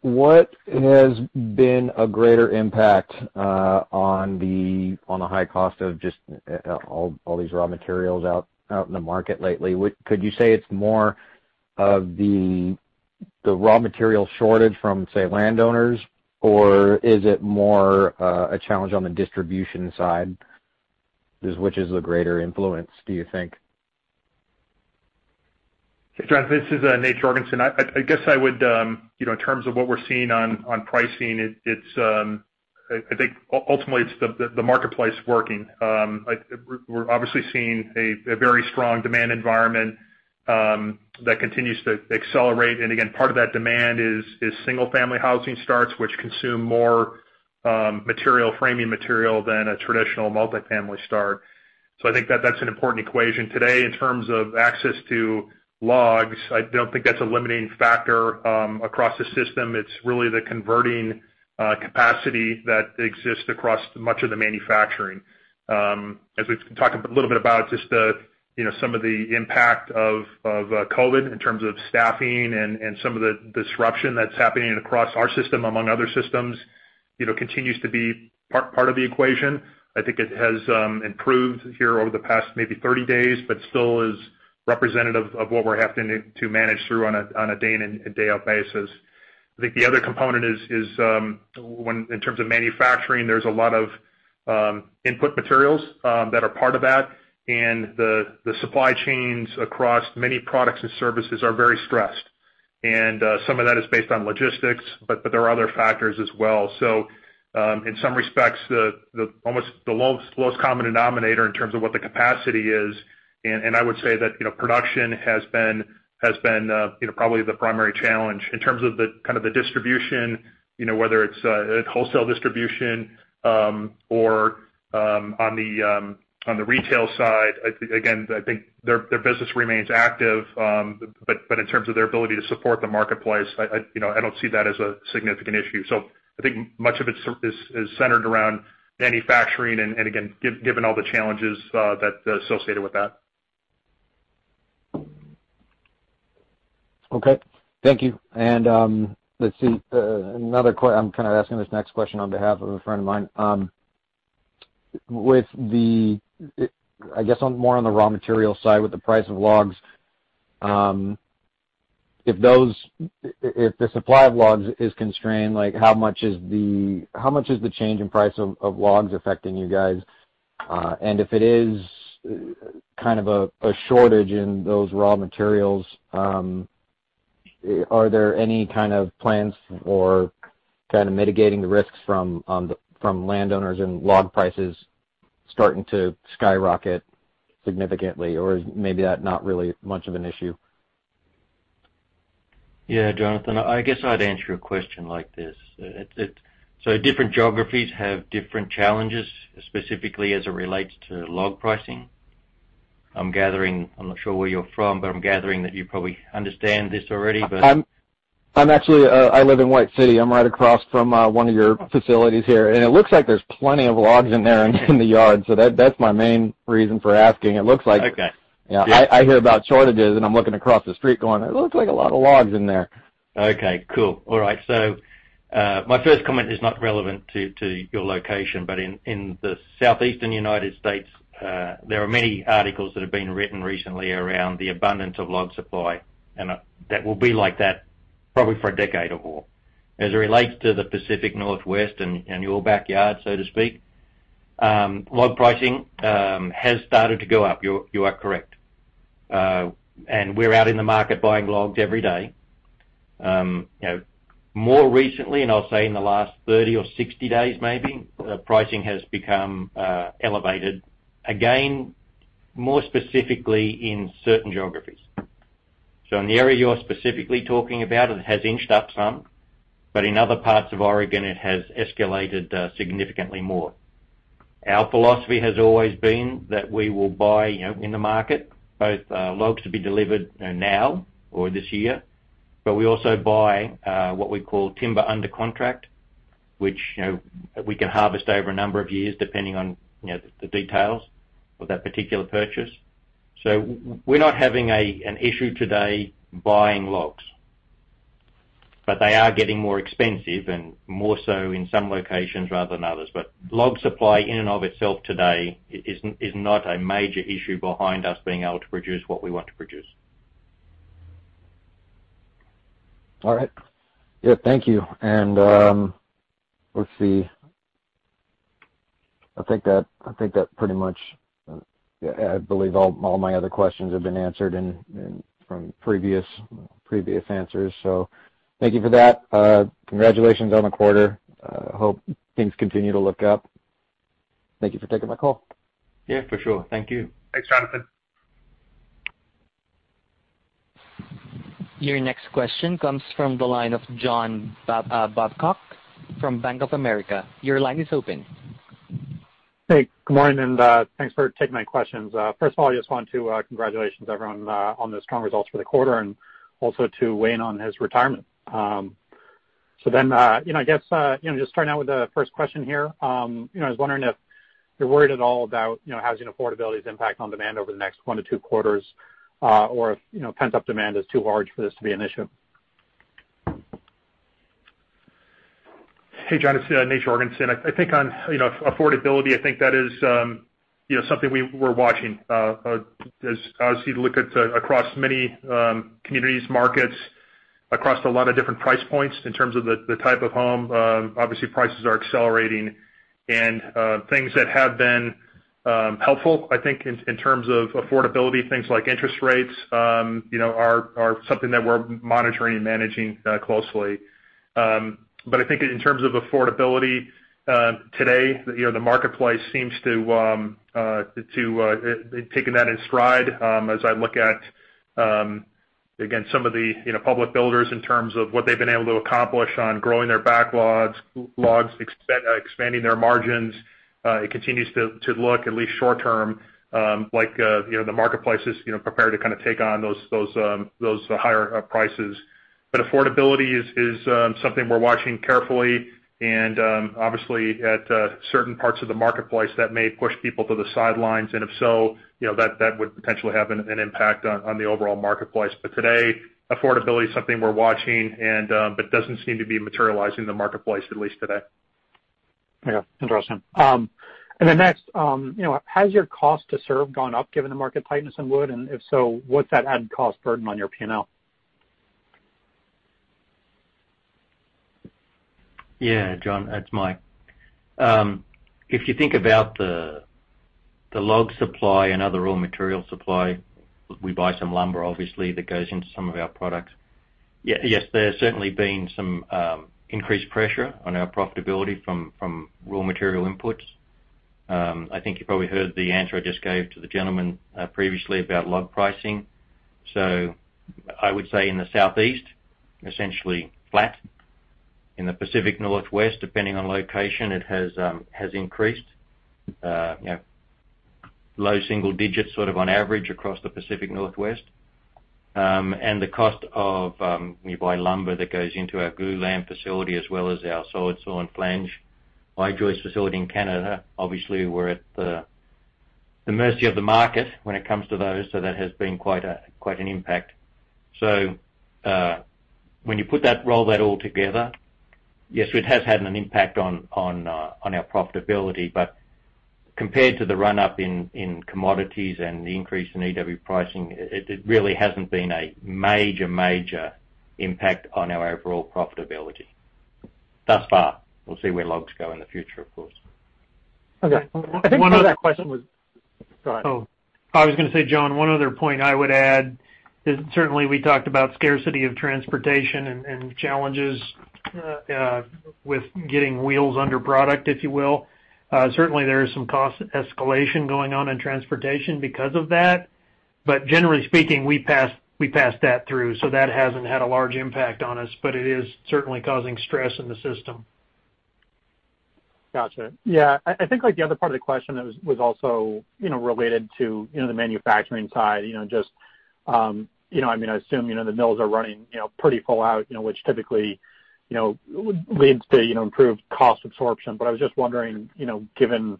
[SPEAKER 9] what has been a greater impact on the high cost of just all these raw materials out in the market lately? Could you say it's more of the raw material shortage from, say, landowners? Or is it more a challenge on the distribution side? Which is the greater influence, do you think?
[SPEAKER 3] Hey, Jonathan, this is Nate Jorgensen. I guess in terms of what we're seeing on pricing, I think ultimately it's the marketplace working. We're obviously seeing a very strong demand environment that continues to accelerate. Again, part of that demand is single-family housing starts, which consume more framing material than a traditional multi-family start. I think that that's an important equation today in terms of access to logs. I don't think that's a limiting factor across the system. It's really the converting capacity that exists across much of the manufacturing. As we've talked a little bit about just some of the impact of COVID in terms of staffing and some of the disruption that's happening across our system, among other systems continues to be part of the equation. I think it has improved here over the past maybe 30 days, but still is representative of what we're having to manage through on a day-in and day-out basis. I think the other component is in terms of manufacturing, there's a lot of input materials that are part of that. The supply chains across many products and services are very stressed. Some of that is based on logistics, but there are other factors as well. In some respects, almost the lowest common denominator in terms of what the capacity is. I would say that production has been probably the primary challenge. In terms of the kind of the distribution, whether it's wholesale distribution or on the retail side, again, I think their business remains active. In terms of their ability to support the marketplace, I don't see that as a significant issue. I think much of it is centered around manufacturing, and again, given all the challenges that associated with that.
[SPEAKER 9] Okay. Thank you. Let's see, I'm kind of asking this next question on behalf of a friend of mine. I guess, more on the raw material side, with the price of logs, if the supply of logs is constrained, how much is the change in price of logs affecting you guys? If it is kind of a shortage in those raw materials, are there any kind of plans for kind of mitigating the risks from landowners and log prices starting to skyrocket significantly? Maybe that's not really much of an issue.
[SPEAKER 5] Yeah. Jonathan, I guess I'd answer a question like this. Different geographies have different challenges, specifically as it relates to log pricing. I'm not sure where you're from, but I'm gathering that you probably understand this already.
[SPEAKER 9] I live in White City. I'm right across from one of your facilities here, and it looks like there's plenty of logs in there in the yard. That's my main reason for asking.
[SPEAKER 5] Okay. Yeah.
[SPEAKER 9] I hear about shortages and I'm looking across the street going, "It looks like a lot of logs in there.
[SPEAKER 5] Okay. Cool. All right. My first comment is not relevant to your location, but in the Southeastern United States, there are many articles that have been written recently around the abundance of log supply, and that will be like that probably for a decade or more. As it relates to the Pacific Northwest and your backyard, so to speak, log pricing has started to go up. You are correct. We're out in the market buying logs every day. More recently, and I'll say in the last 30 or 60 days maybe, pricing has become elevated again, more specifically in certain geographies. In the area you're specifically talking about, it has inched up some, but in other parts of Oregon, it has escalated significantly more. Our philosophy has always been that we will buy in the market, both logs to be delivered now or this year. We also buy, what we call timber under contract, which we can harvest over a number of years, depending on the details of that particular purchase. We're not having an issue today buying logs. They are getting more expensive, and more so in some locations rather than others. Log supply in and of itself today is not a major issue behind us being able to produce what we want to produce.
[SPEAKER 9] All right. Yeah, thank you. Let's see. I believe all my other questions have been answered from previous answers. Thank you for that. Congratulations on the quarter. I hope things continue to look up. Thank you for taking my call.
[SPEAKER 5] Yeah, for sure. Thank you.
[SPEAKER 3] Thanks, Jonathan.
[SPEAKER 1] Your next question comes from the line of John Babcock from Bank of America. Your line is open.
[SPEAKER 10] Hey. Good morning, and thanks for taking my questions. First of all, I just want to congratulations everyone on the strong results for the quarter, and also to Wayne on his retirement. I guess, just starting out with the first question here. I was wondering if you're worried at all about housing affordability's impact on demand over the next one to two quarters, or if pent-up demand is too large for this to be an issue.
[SPEAKER 3] Hey, John. It's Nate Jorgensen. Affordability, I think that is something we're watching. As you look at across many communities, markets, across a lot of different price points in terms of the type of home, obviously prices are accelerating and things that have been helpful, I think in terms of affordability, things like interest rates are something that we're monitoring and managing closely. I think in terms of affordability today, the marketplace seems to be taking that in stride. As I look at, again, some of the public builders in terms of what they've been able to accomplish on growing their backlogs, expanding their margins. It continues to look, at least short term, like the marketplace is prepared to kind of take on those higher prices. Affordability is something we're watching carefully, and obviously, at certain parts of the marketplace, that may push people to the sidelines, and if so, that would potentially have an impact on the overall marketplace. Today, affordability is something we're watching, but doesn't seem to be materializing in the marketplace, at least today.
[SPEAKER 10] Yeah. Interesting. Next, has your cost to serve gone up given the market tightness in wood? If so, what's that added cost burden on your P&L?
[SPEAKER 5] John, that's Mike. If you think about the log supply and other raw material supply, we buy some lumber, obviously, that goes into some of our products. Yes, there's certainly been some increased pressure on our profitability from raw material inputs. I think you probably heard the answer I just gave to the gentleman previously about log pricing. I would say in the Southeast, essentially flat. In the Pacific Northwest, depending on location, it has increased low single digits sort of on average across the Pacific Northwest. The cost of lumber that goes into our glulam facility, as well as our solid-sawn flange I-joist facility in Canada. Obviously, we're at the mercy of the market when it comes to those, so that has been quite an impact. When you roll that all together, yes, it has had an impact on our profitability, but compared to the run-up in commodities and the increase in EWP pricing, it really hasn't been a major impact on our overall profitability thus far. We'll see where logs go in the future, of course.
[SPEAKER 10] Okay. Go ahead.
[SPEAKER 2] Oh, I was going to say, John, one other point I would add is certainly we talked about scarcity of transportation and challenges with getting wheels under product, if you will. Certainly, there is some cost escalation going on in transportation because of that. Generally speaking, we pass that through, so that hasn't had a large impact on us, but it is certainly causing stress in the system.
[SPEAKER 10] Got you. Yeah, I think the other part of the question was also related to the manufacturing side. I assume the mills are running pretty full out, which typically would lead to improved cost absorption. I was just wondering, given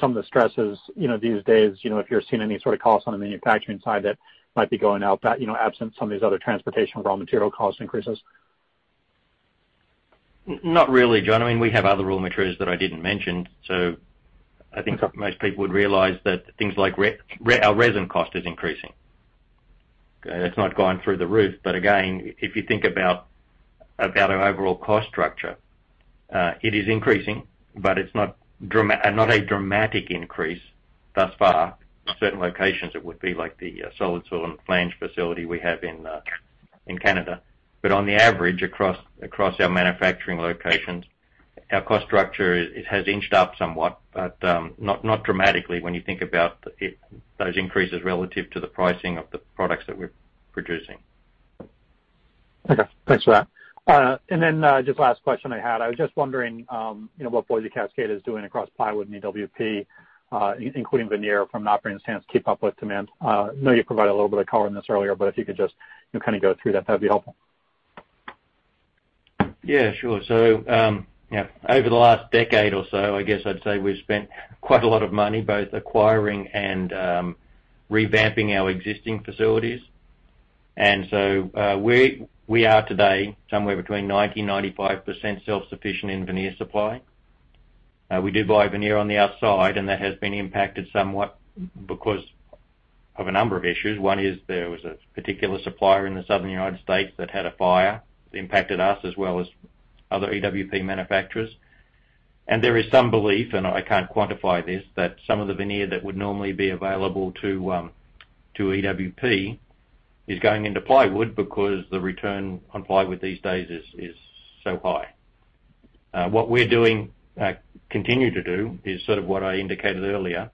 [SPEAKER 10] some of the stresses these days, if you're seeing any sort of costs on the manufacturing side that might be going out that absent some of these other transportation raw material cost increases?
[SPEAKER 5] Not really, John. We have other raw materials that I didn't mention. I think most people would realize that things like our resin cost is increasing. It's not gone through the roof, but again, if you think about our overall cost structure, it is increasing, but it's not a dramatic increase thus far. Certain locations, it would be like the solid-sawn flange facility we have in Canada. On the average, across our manufacturing locations, our cost structure, it has inched up somewhat, but not dramatically when you think about those increases relative to the pricing of the products that we're producing.
[SPEAKER 10] Okay. Thanks for that. Just last question I had, I was just wondering what Boise Cascade is doing across plywood and EWP, including veneer from an operating stance, keep up with demand. I know you provided a little bit of color on this earlier. If you could just kind of go through that'd be helpful.
[SPEAKER 5] Yeah, sure. Over the last decade or so, I guess I'd say we've spent quite a lot of money both acquiring and revamping our existing facilities. We are today somewhere between 90%-95% self-sufficient in veneer supply. We do buy veneer on the outside, and that has been impacted somewhat because of a number of issues. One is there was a particular supplier in the Southern U.S. that had a fire that impacted us as well as other EWP manufacturers. There is some belief, and I can't quantify this, that some of the veneer that would normally be available to EWP is going into plywood because the return on plywood these days is so high. What we continue to do is sort of what I indicated earlier.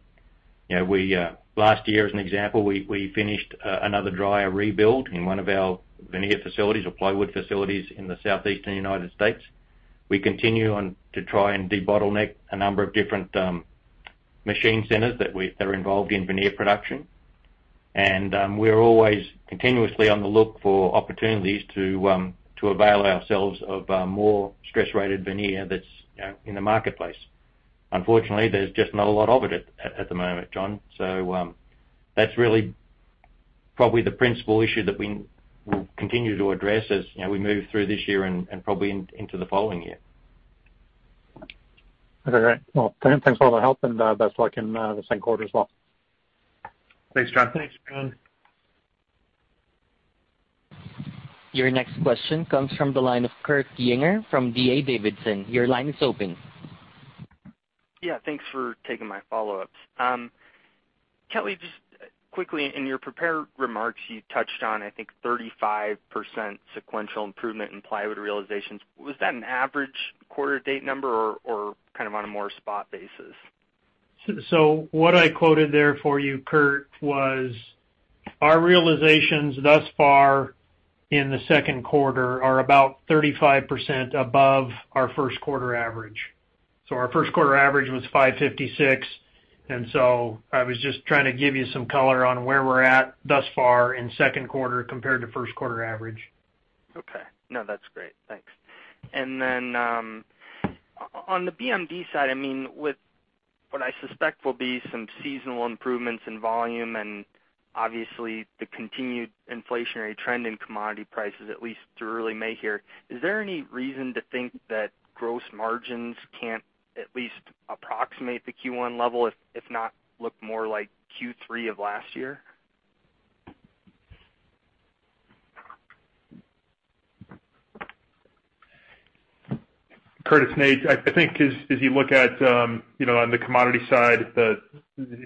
[SPEAKER 5] Last year, as an example, we finished another dryer rebuild in one of our veneer facilities or plywood facilities in the Southeastern U.S. We continue on to try and debottleneck a number of different machine centers that are involved in veneer production. We're always continuously on the look for opportunities to avail ourselves of more stress-rated veneer that's in the marketplace. Unfortunately, there's just not a lot of it at the moment, John. That's really probably the principal issue that we will continue to address as we move through this year and probably into the following year.
[SPEAKER 10] Okay, great. Thanks for all the help and best of luck in the second quarter as well.
[SPEAKER 2] Thanks, John.
[SPEAKER 5] Thanks, John.
[SPEAKER 1] Your next question comes from the line of Kurt Yinger from D.A. Davidson. Your line is open.
[SPEAKER 7] Yeah, thanks for taking my follow-ups. Kelly, just quickly, in your prepared remarks, you touched on, I think, 35% sequential improvement in plywood realizations. Was that an average quarter-to-date number or kind of on a more spot basis?
[SPEAKER 2] What I quoted there for you, Kurt, was our realizations thus far in the second quarter are about 35% above our first quarter average. Our first quarter average was $556, and I was just trying to give you some color on where we're at thus far in second quarter compared to first quarter average.
[SPEAKER 7] Okay. No, that's great. Thanks. On the BMD side, with what I suspect will be some seasonal improvements in volume and obviously the continued inflationary trend in commodity prices, at least through early May here, is there any reason to think that gross margins can't at least approximate the Q1 level, if not look more like Q3 of last year?
[SPEAKER 3] Kurt, Nate, I think as you look at on the commodity side, to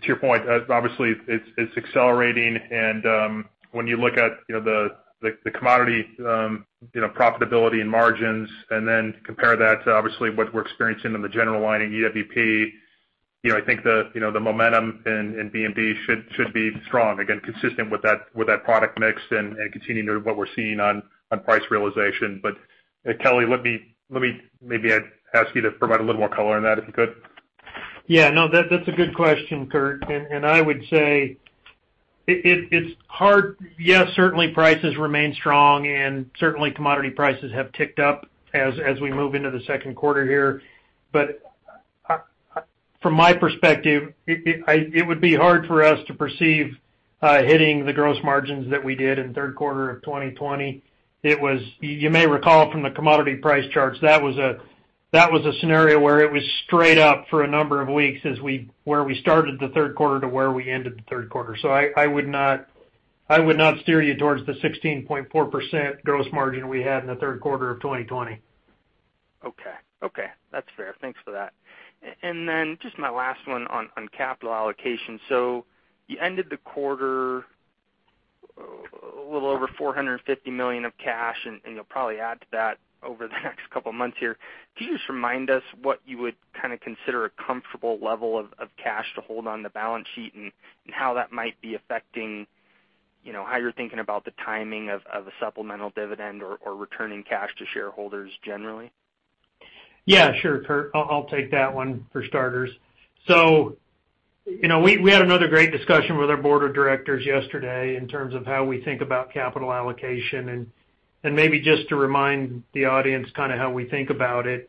[SPEAKER 3] your point, obviously it's accelerating. When you look at the commodity profitability and margins and then compare that to obviously what we're experiencing in the general line in EWP I think the momentum in BMD should be strong. Consistent with that product mix and continuing what we're seeing on price realization. Kelly, let me maybe ask you to provide a little more color on that, if you could.
[SPEAKER 2] No, that's a good question, Kurt, and I would say it's hard. Certainly prices remain strong and certainly commodity prices have ticked up as we move into the second quarter here. From my perspective, it would be hard for us to perceive hitting the gross margins that we did in third quarter of 2020. You may recall from the commodity price charts, that was a scenario where it was straight up for a number of weeks as where we started the third quarter to where we ended the third quarter. I would not steer you towards the 16.4% gross margin we had in the third quarter of 2020.
[SPEAKER 7] Okay. That's fair. Thanks for that. Just my last one on capital allocation. You ended the quarter a little over $450 million of cash, and you'll probably add to that over the next couple of months here. Can you just remind us what you would kind of consider a comfortable level of cash to hold on the balance sheet and how that might be affecting how you're thinking about the timing of a supplemental dividend or returning cash to shareholders generally?
[SPEAKER 2] Yeah, sure, Kurt. I'll take that one for starters. We had another great discussion with our Board of Directors yesterday in terms of how we think about capital allocation and maybe just to remind the audience kind of how we think about it.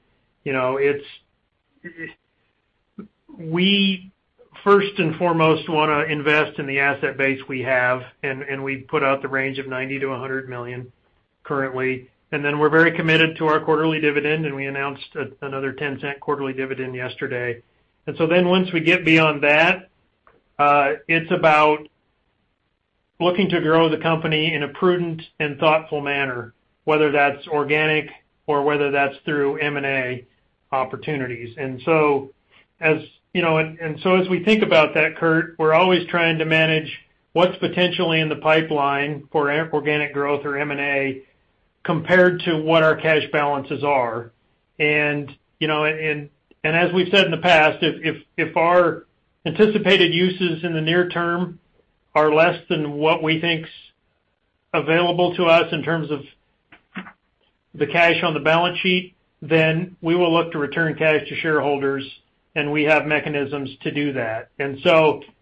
[SPEAKER 2] We first and foremost want to invest in the asset base we have, and we put out the range of $90 million-$100 million currently. Then we're very committed to our quarterly dividend, and we announced another $0.10 quarterly dividend yesterday. Then once we get beyond that, it's about looking to grow the company in a prudent and thoughtful manner, whether that's organic or whether that's through M&A opportunities. As we think about that, Kurt, we're always trying to manage what's potentially in the pipeline for organic growth or M&A, compared to what our cash balances are. As we've said in the past, if our anticipated uses in the near term are less than what we think is available to us in terms of the cash on the balance sheet, then we will look to return cash to shareholders, and we have mechanisms to do that.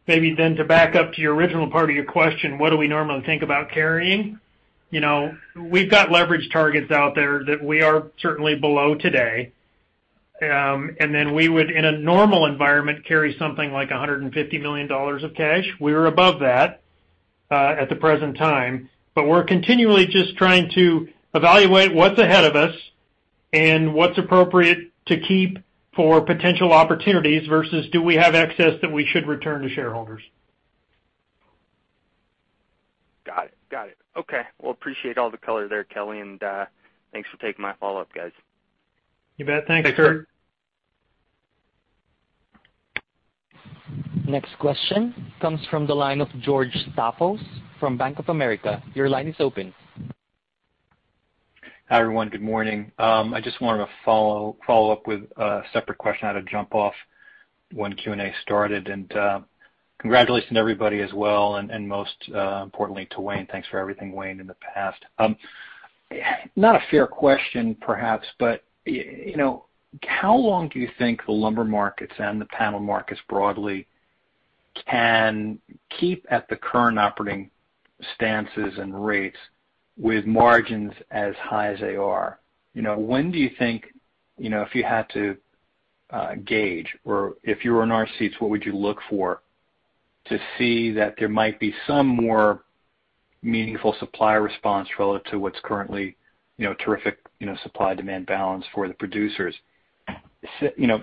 [SPEAKER 2] Maybe then to back up to your original part of your question, what do we normally think about carrying? We've got leverage targets out there that we are certainly below today. Then we would, in a normal environment, carry something like $150 million of cash. We are above that at the present time. We're continually just trying to evaluate what's ahead of us and what's appropriate to keep for potential opportunities versus do we have excess that we should return to shareholders.
[SPEAKER 7] Got it. Okay. Well, appreciate all the color there, Kelly, and thanks for taking my follow-up, guys.
[SPEAKER 2] You bet. Thanks, Kurt.
[SPEAKER 3] Thanks, Kurt.
[SPEAKER 1] Next question comes from the line of George Staphos from Bank of America. Your line is open.
[SPEAKER 11] Hi, everyone. Good morning. I just wanted to follow up with a separate question. I had to jump off when Q&A started. Congratulations, everybody as well, and most importantly to Wayne. Thanks for everything, Wayne, in the past. Not a fair question, perhaps, but how long do you think the lumber markets and the panel markets broadly can keep at the current operating stances and rates with margins as high as they are? When do you think, if you had to gauge, or if you were in our seats, what would you look for to see that there might be some more meaningful supply response relative to what's currently terrific supply-demand balance for the producers?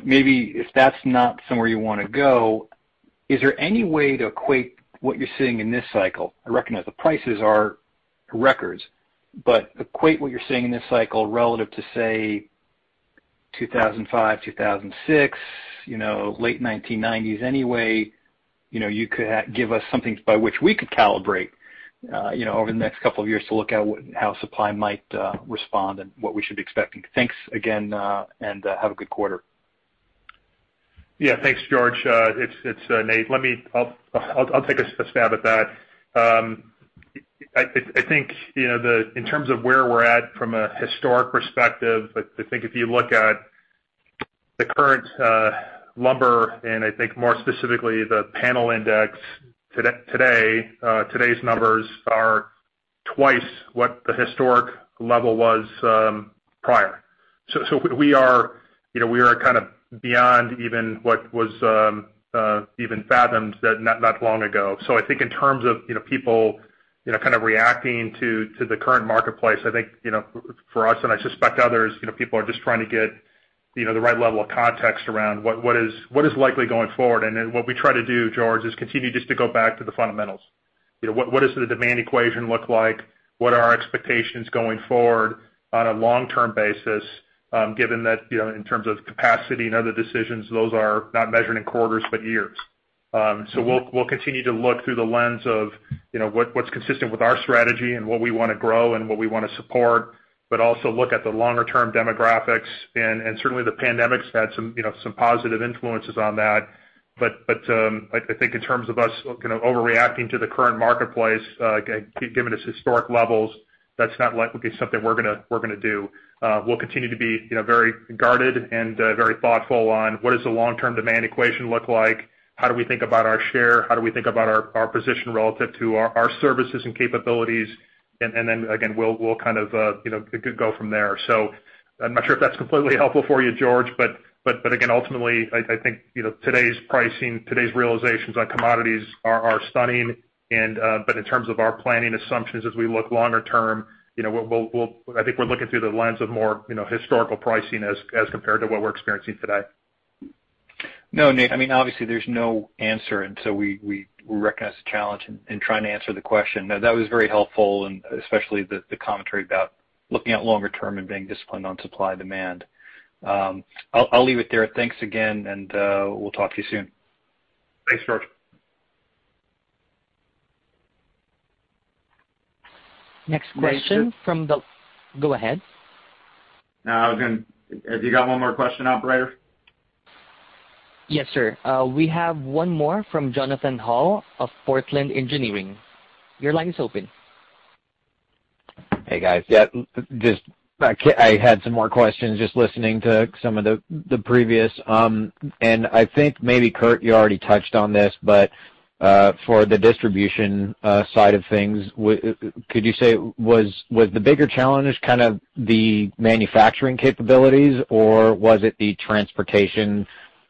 [SPEAKER 11] Maybe if that's not somewhere you want to go, is there any way to equate what you're seeing in this cycle? I recognize the prices are records, equate what you're seeing in this cycle relative to, say, 2005, 2006, late 1990s. Any way you could give us something by which we could calibrate over the next couple of years to look at how supply might respond and what we should be expecting. Thanks again, have a good quarter.
[SPEAKER 3] Yeah. Thanks, George. It's Nate. I'll take a stab at that. I think in terms of where we're at from a historic perspective, I think if you look at the current lumber, and I think more specifically, the panel index today's numbers are twice what the historic level was prior. We are kind of beyond even what was even fathomed not long ago. I think in terms of people kind of reacting to the current marketplace, I think, for us, and I suspect others, people are just trying to get the right level of context around what is likely going forward. What we try to do, George, is continue just to go back to the fundamentals. What does the demand equation look like? What are our expectations going forward on a long-term basis? Given that in terms of capacity and other decisions, those are not measured in quarters, but years. So we'll continue to look through the lens of what's consistent with our strategy and what we want to grow and what we want to support, but also look at the longer-term demographics. Certainly, the pandemic's had some positive influences on that. I think in terms of us overreacting to the current marketplace, given its historic levels, that's not likely something we're going to do. We'll continue to be very guarded and very thoughtful on what does the long-term demand equation look like, how do we think about our share, how do we think about our position relative to our services and capabilities? Then again, we'll go from there. I'm not sure if that's completely helpful for you, George. Again, ultimately, I think, today's pricing, today's realizations on commodities are stunning. In terms of our planning assumptions as we look longer term, I think we're looking through the lens of more historical pricing as compared to what we're experiencing today.
[SPEAKER 11] No, Nate, obviously there's no answer, and so we recognize the challenge in trying to answer the question. No, that was very helpful, and especially the commentary about looking at longer term and being disciplined on supply-demand. I'll leave it there. Thanks again, and we'll talk to you soon.
[SPEAKER 3] Thanks, George.
[SPEAKER 1] Next question. Go ahead.
[SPEAKER 3] No, have you got one more question, operator?
[SPEAKER 1] Yes, sir. We have one more from Jonathan Hall of Portland Engineering. Your line is open.
[SPEAKER 9] Hey, guys. Yeah. Just I had some more questions just listening to some of the previous. I think maybe, Kurt, you already touched on this, but for the distribution side of things, could you say was the bigger challenge kind of the manufacturing capabilities, or was it the transportation?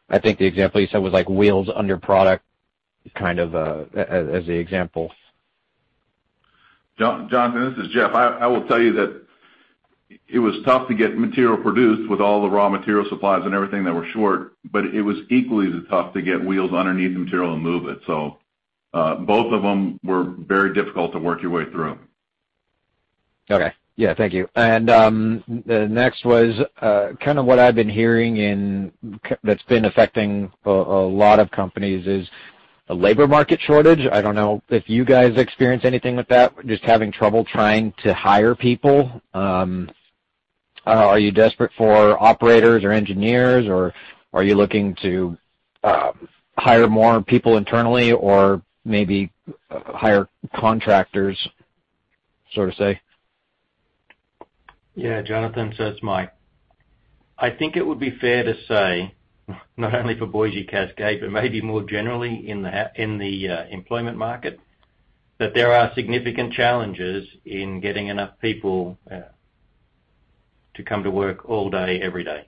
[SPEAKER 9] I think the example you said was like wheels under product kind of as the example.
[SPEAKER 6] Jonathan, this is Jeff. I will tell you that it was tough to get material produced with all the raw material supplies and everything that were short, but it was equally as tough to get wheels underneath the material and move it. Both of them were very difficult to work your way through.
[SPEAKER 9] Okay. Yeah, thank you. The next was kind of what I've been hearing that's been affecting a lot of companies is a labor market shortage. I don't know if you guys experience anything with that, just having trouble trying to hire people. Are you desperate for operators or engineers, or are you looking to hire more people internally or maybe hire contractors, so to say?
[SPEAKER 5] Yeah. Jonathan, so it's Mike. I think it would be fair to say, not only for Boise Cascade, but maybe more generally in the employment market, that there are significant challenges in getting enough people to come to work all day, every day.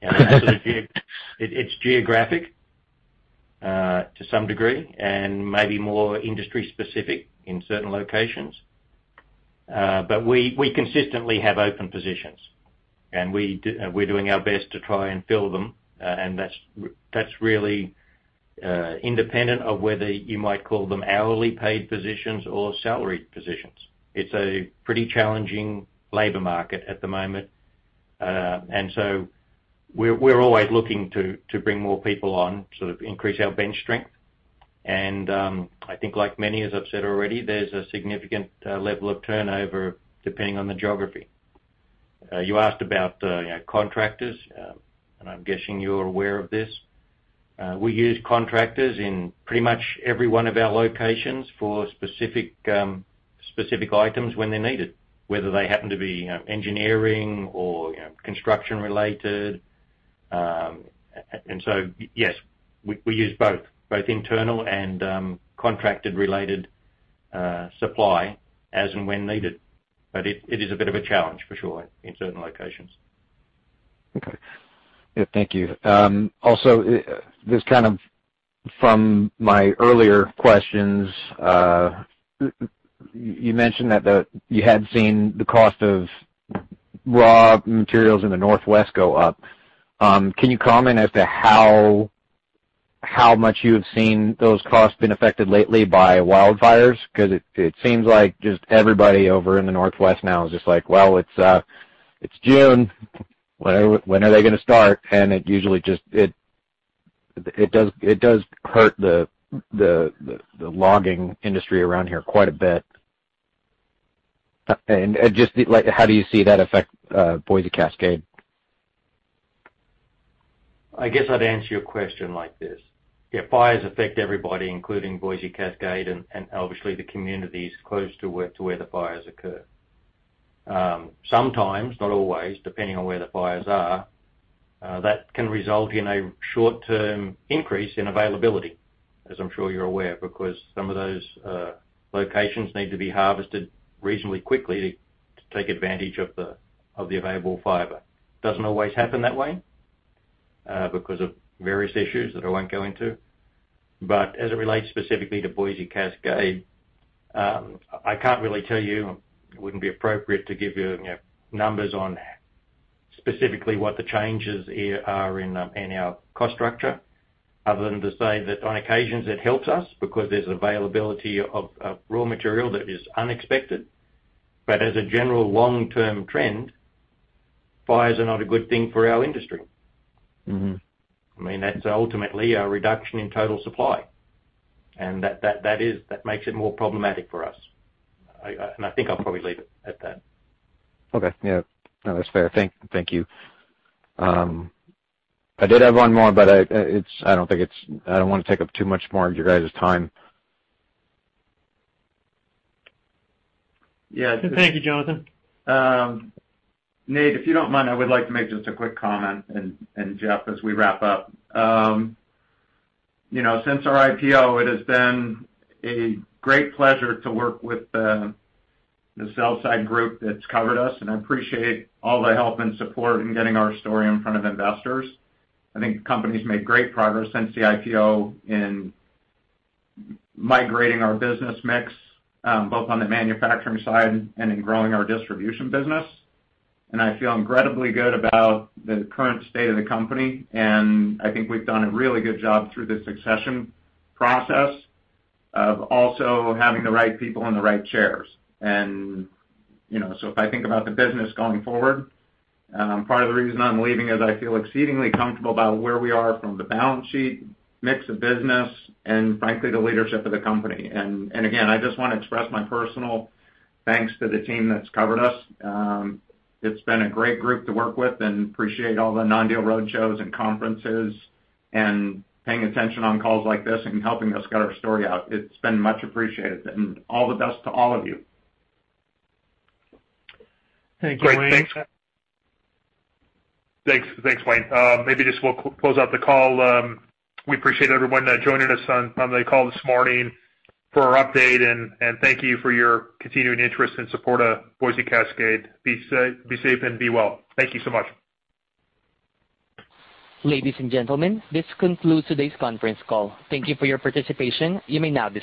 [SPEAKER 5] It's geographic to some degree and maybe more industry specific in certain locations. We consistently have open positions, and we're doing our best to try and fill them. That's really independent of whether you might call them hourly paid positions or salaried positions. It's a pretty challenging labor market at the moment. We're always looking to bring more people on, sort of increase our bench strength. I think like many, as I've said already, there's a significant level of turnover depending on the geography. You asked about contractors, I'm guessing you're aware of this. We use contractors in pretty much every one of our locations for specific items when they're needed, whether they happen to be engineering or construction related. Yes, we use both internal and contracted related supply as and when needed. It is a bit of a challenge for sure in certain locations.
[SPEAKER 9] Okay. Yeah, thank you. Also, from my earlier questions, you mentioned that you had seen the cost of raw materials in the Northwest go up. Can you comment as to how much you have seen those costs been affected lately by wildfires? Because it seems like just everybody over in the Northwest now is just like, "Well, it's June. When are they gonna start?" It usually just does hurt the logging industry around here quite a bit. Just how do you see that affect Boise Cascade?
[SPEAKER 5] I guess I'd answer your question like this. Yeah, fires affect everybody, including Boise Cascade and obviously the communities close to where the fires occur. Sometimes, not always, depending on where the fires are, that can result in a short-term increase in availability, as I'm sure you're aware, because some of those locations need to be harvested reasonably quickly to take advantage of the available fiber. Doesn't always happen that way because of various issues that I won't go into. As it relates specifically to Boise Cascade, I can't really tell you, it wouldn't be appropriate to give you numbers on specifically what the changes are in our cost structure other than to say that on occasions it helps us because there's availability of raw material that is unexpected. As a general long-term trend.
[SPEAKER 12] Fires are not a good thing for our industry. I mean, that's ultimately a reduction in total supply, and that makes it more problematic for us. I think I'll probably leave it at that.
[SPEAKER 9] Okay. Yeah. No, that's fair. Thank you. I did have one more, but I don't want to take up too much more of your guys' time.
[SPEAKER 12] Yeah.
[SPEAKER 2] Thank you, Jonathan.
[SPEAKER 12] Nate, if you don't mind, I would like to make just a quick comment, and Jeff, as we wrap up. Since our IPO, it has been a great pleasure to work with the sell-side group that's covered us, and I appreciate all the help and support in getting our story in front of investors. I think the company's made great progress since the IPO in migrating our business mix, both on the manufacturing side and in growing our distribution business. I feel incredibly good about the current state of the company, and I think we've done a really good job through the succession process of also having the right people in the right chairs. If I think about the business going forward, part of the reason I'm leaving is I feel exceedingly comfortable about where we are from the balance sheet, mix of business, and frankly, the leadership of the company. Again, I just want to express my personal thanks to the team that's covered us. It's been a great group to work with and appreciate all the non-deal roadshows and conferences and paying attention on calls like this and helping us get our story out. It's been much appreciated, and all the best to all of you.
[SPEAKER 2] Thank you Wayne.
[SPEAKER 6] Great. Thanks.
[SPEAKER 3] Thanks, Wayne. Maybe just we'll close out the call. We appreciate everyone joining us on the call this morning for our update, and thank you for your continuing interest and support of Boise Cascade. Be safe and be well. Thank you so much.
[SPEAKER 1] Ladies and gentlemen, this concludes today's conference call. Thank you for your participation. You may now disconnect.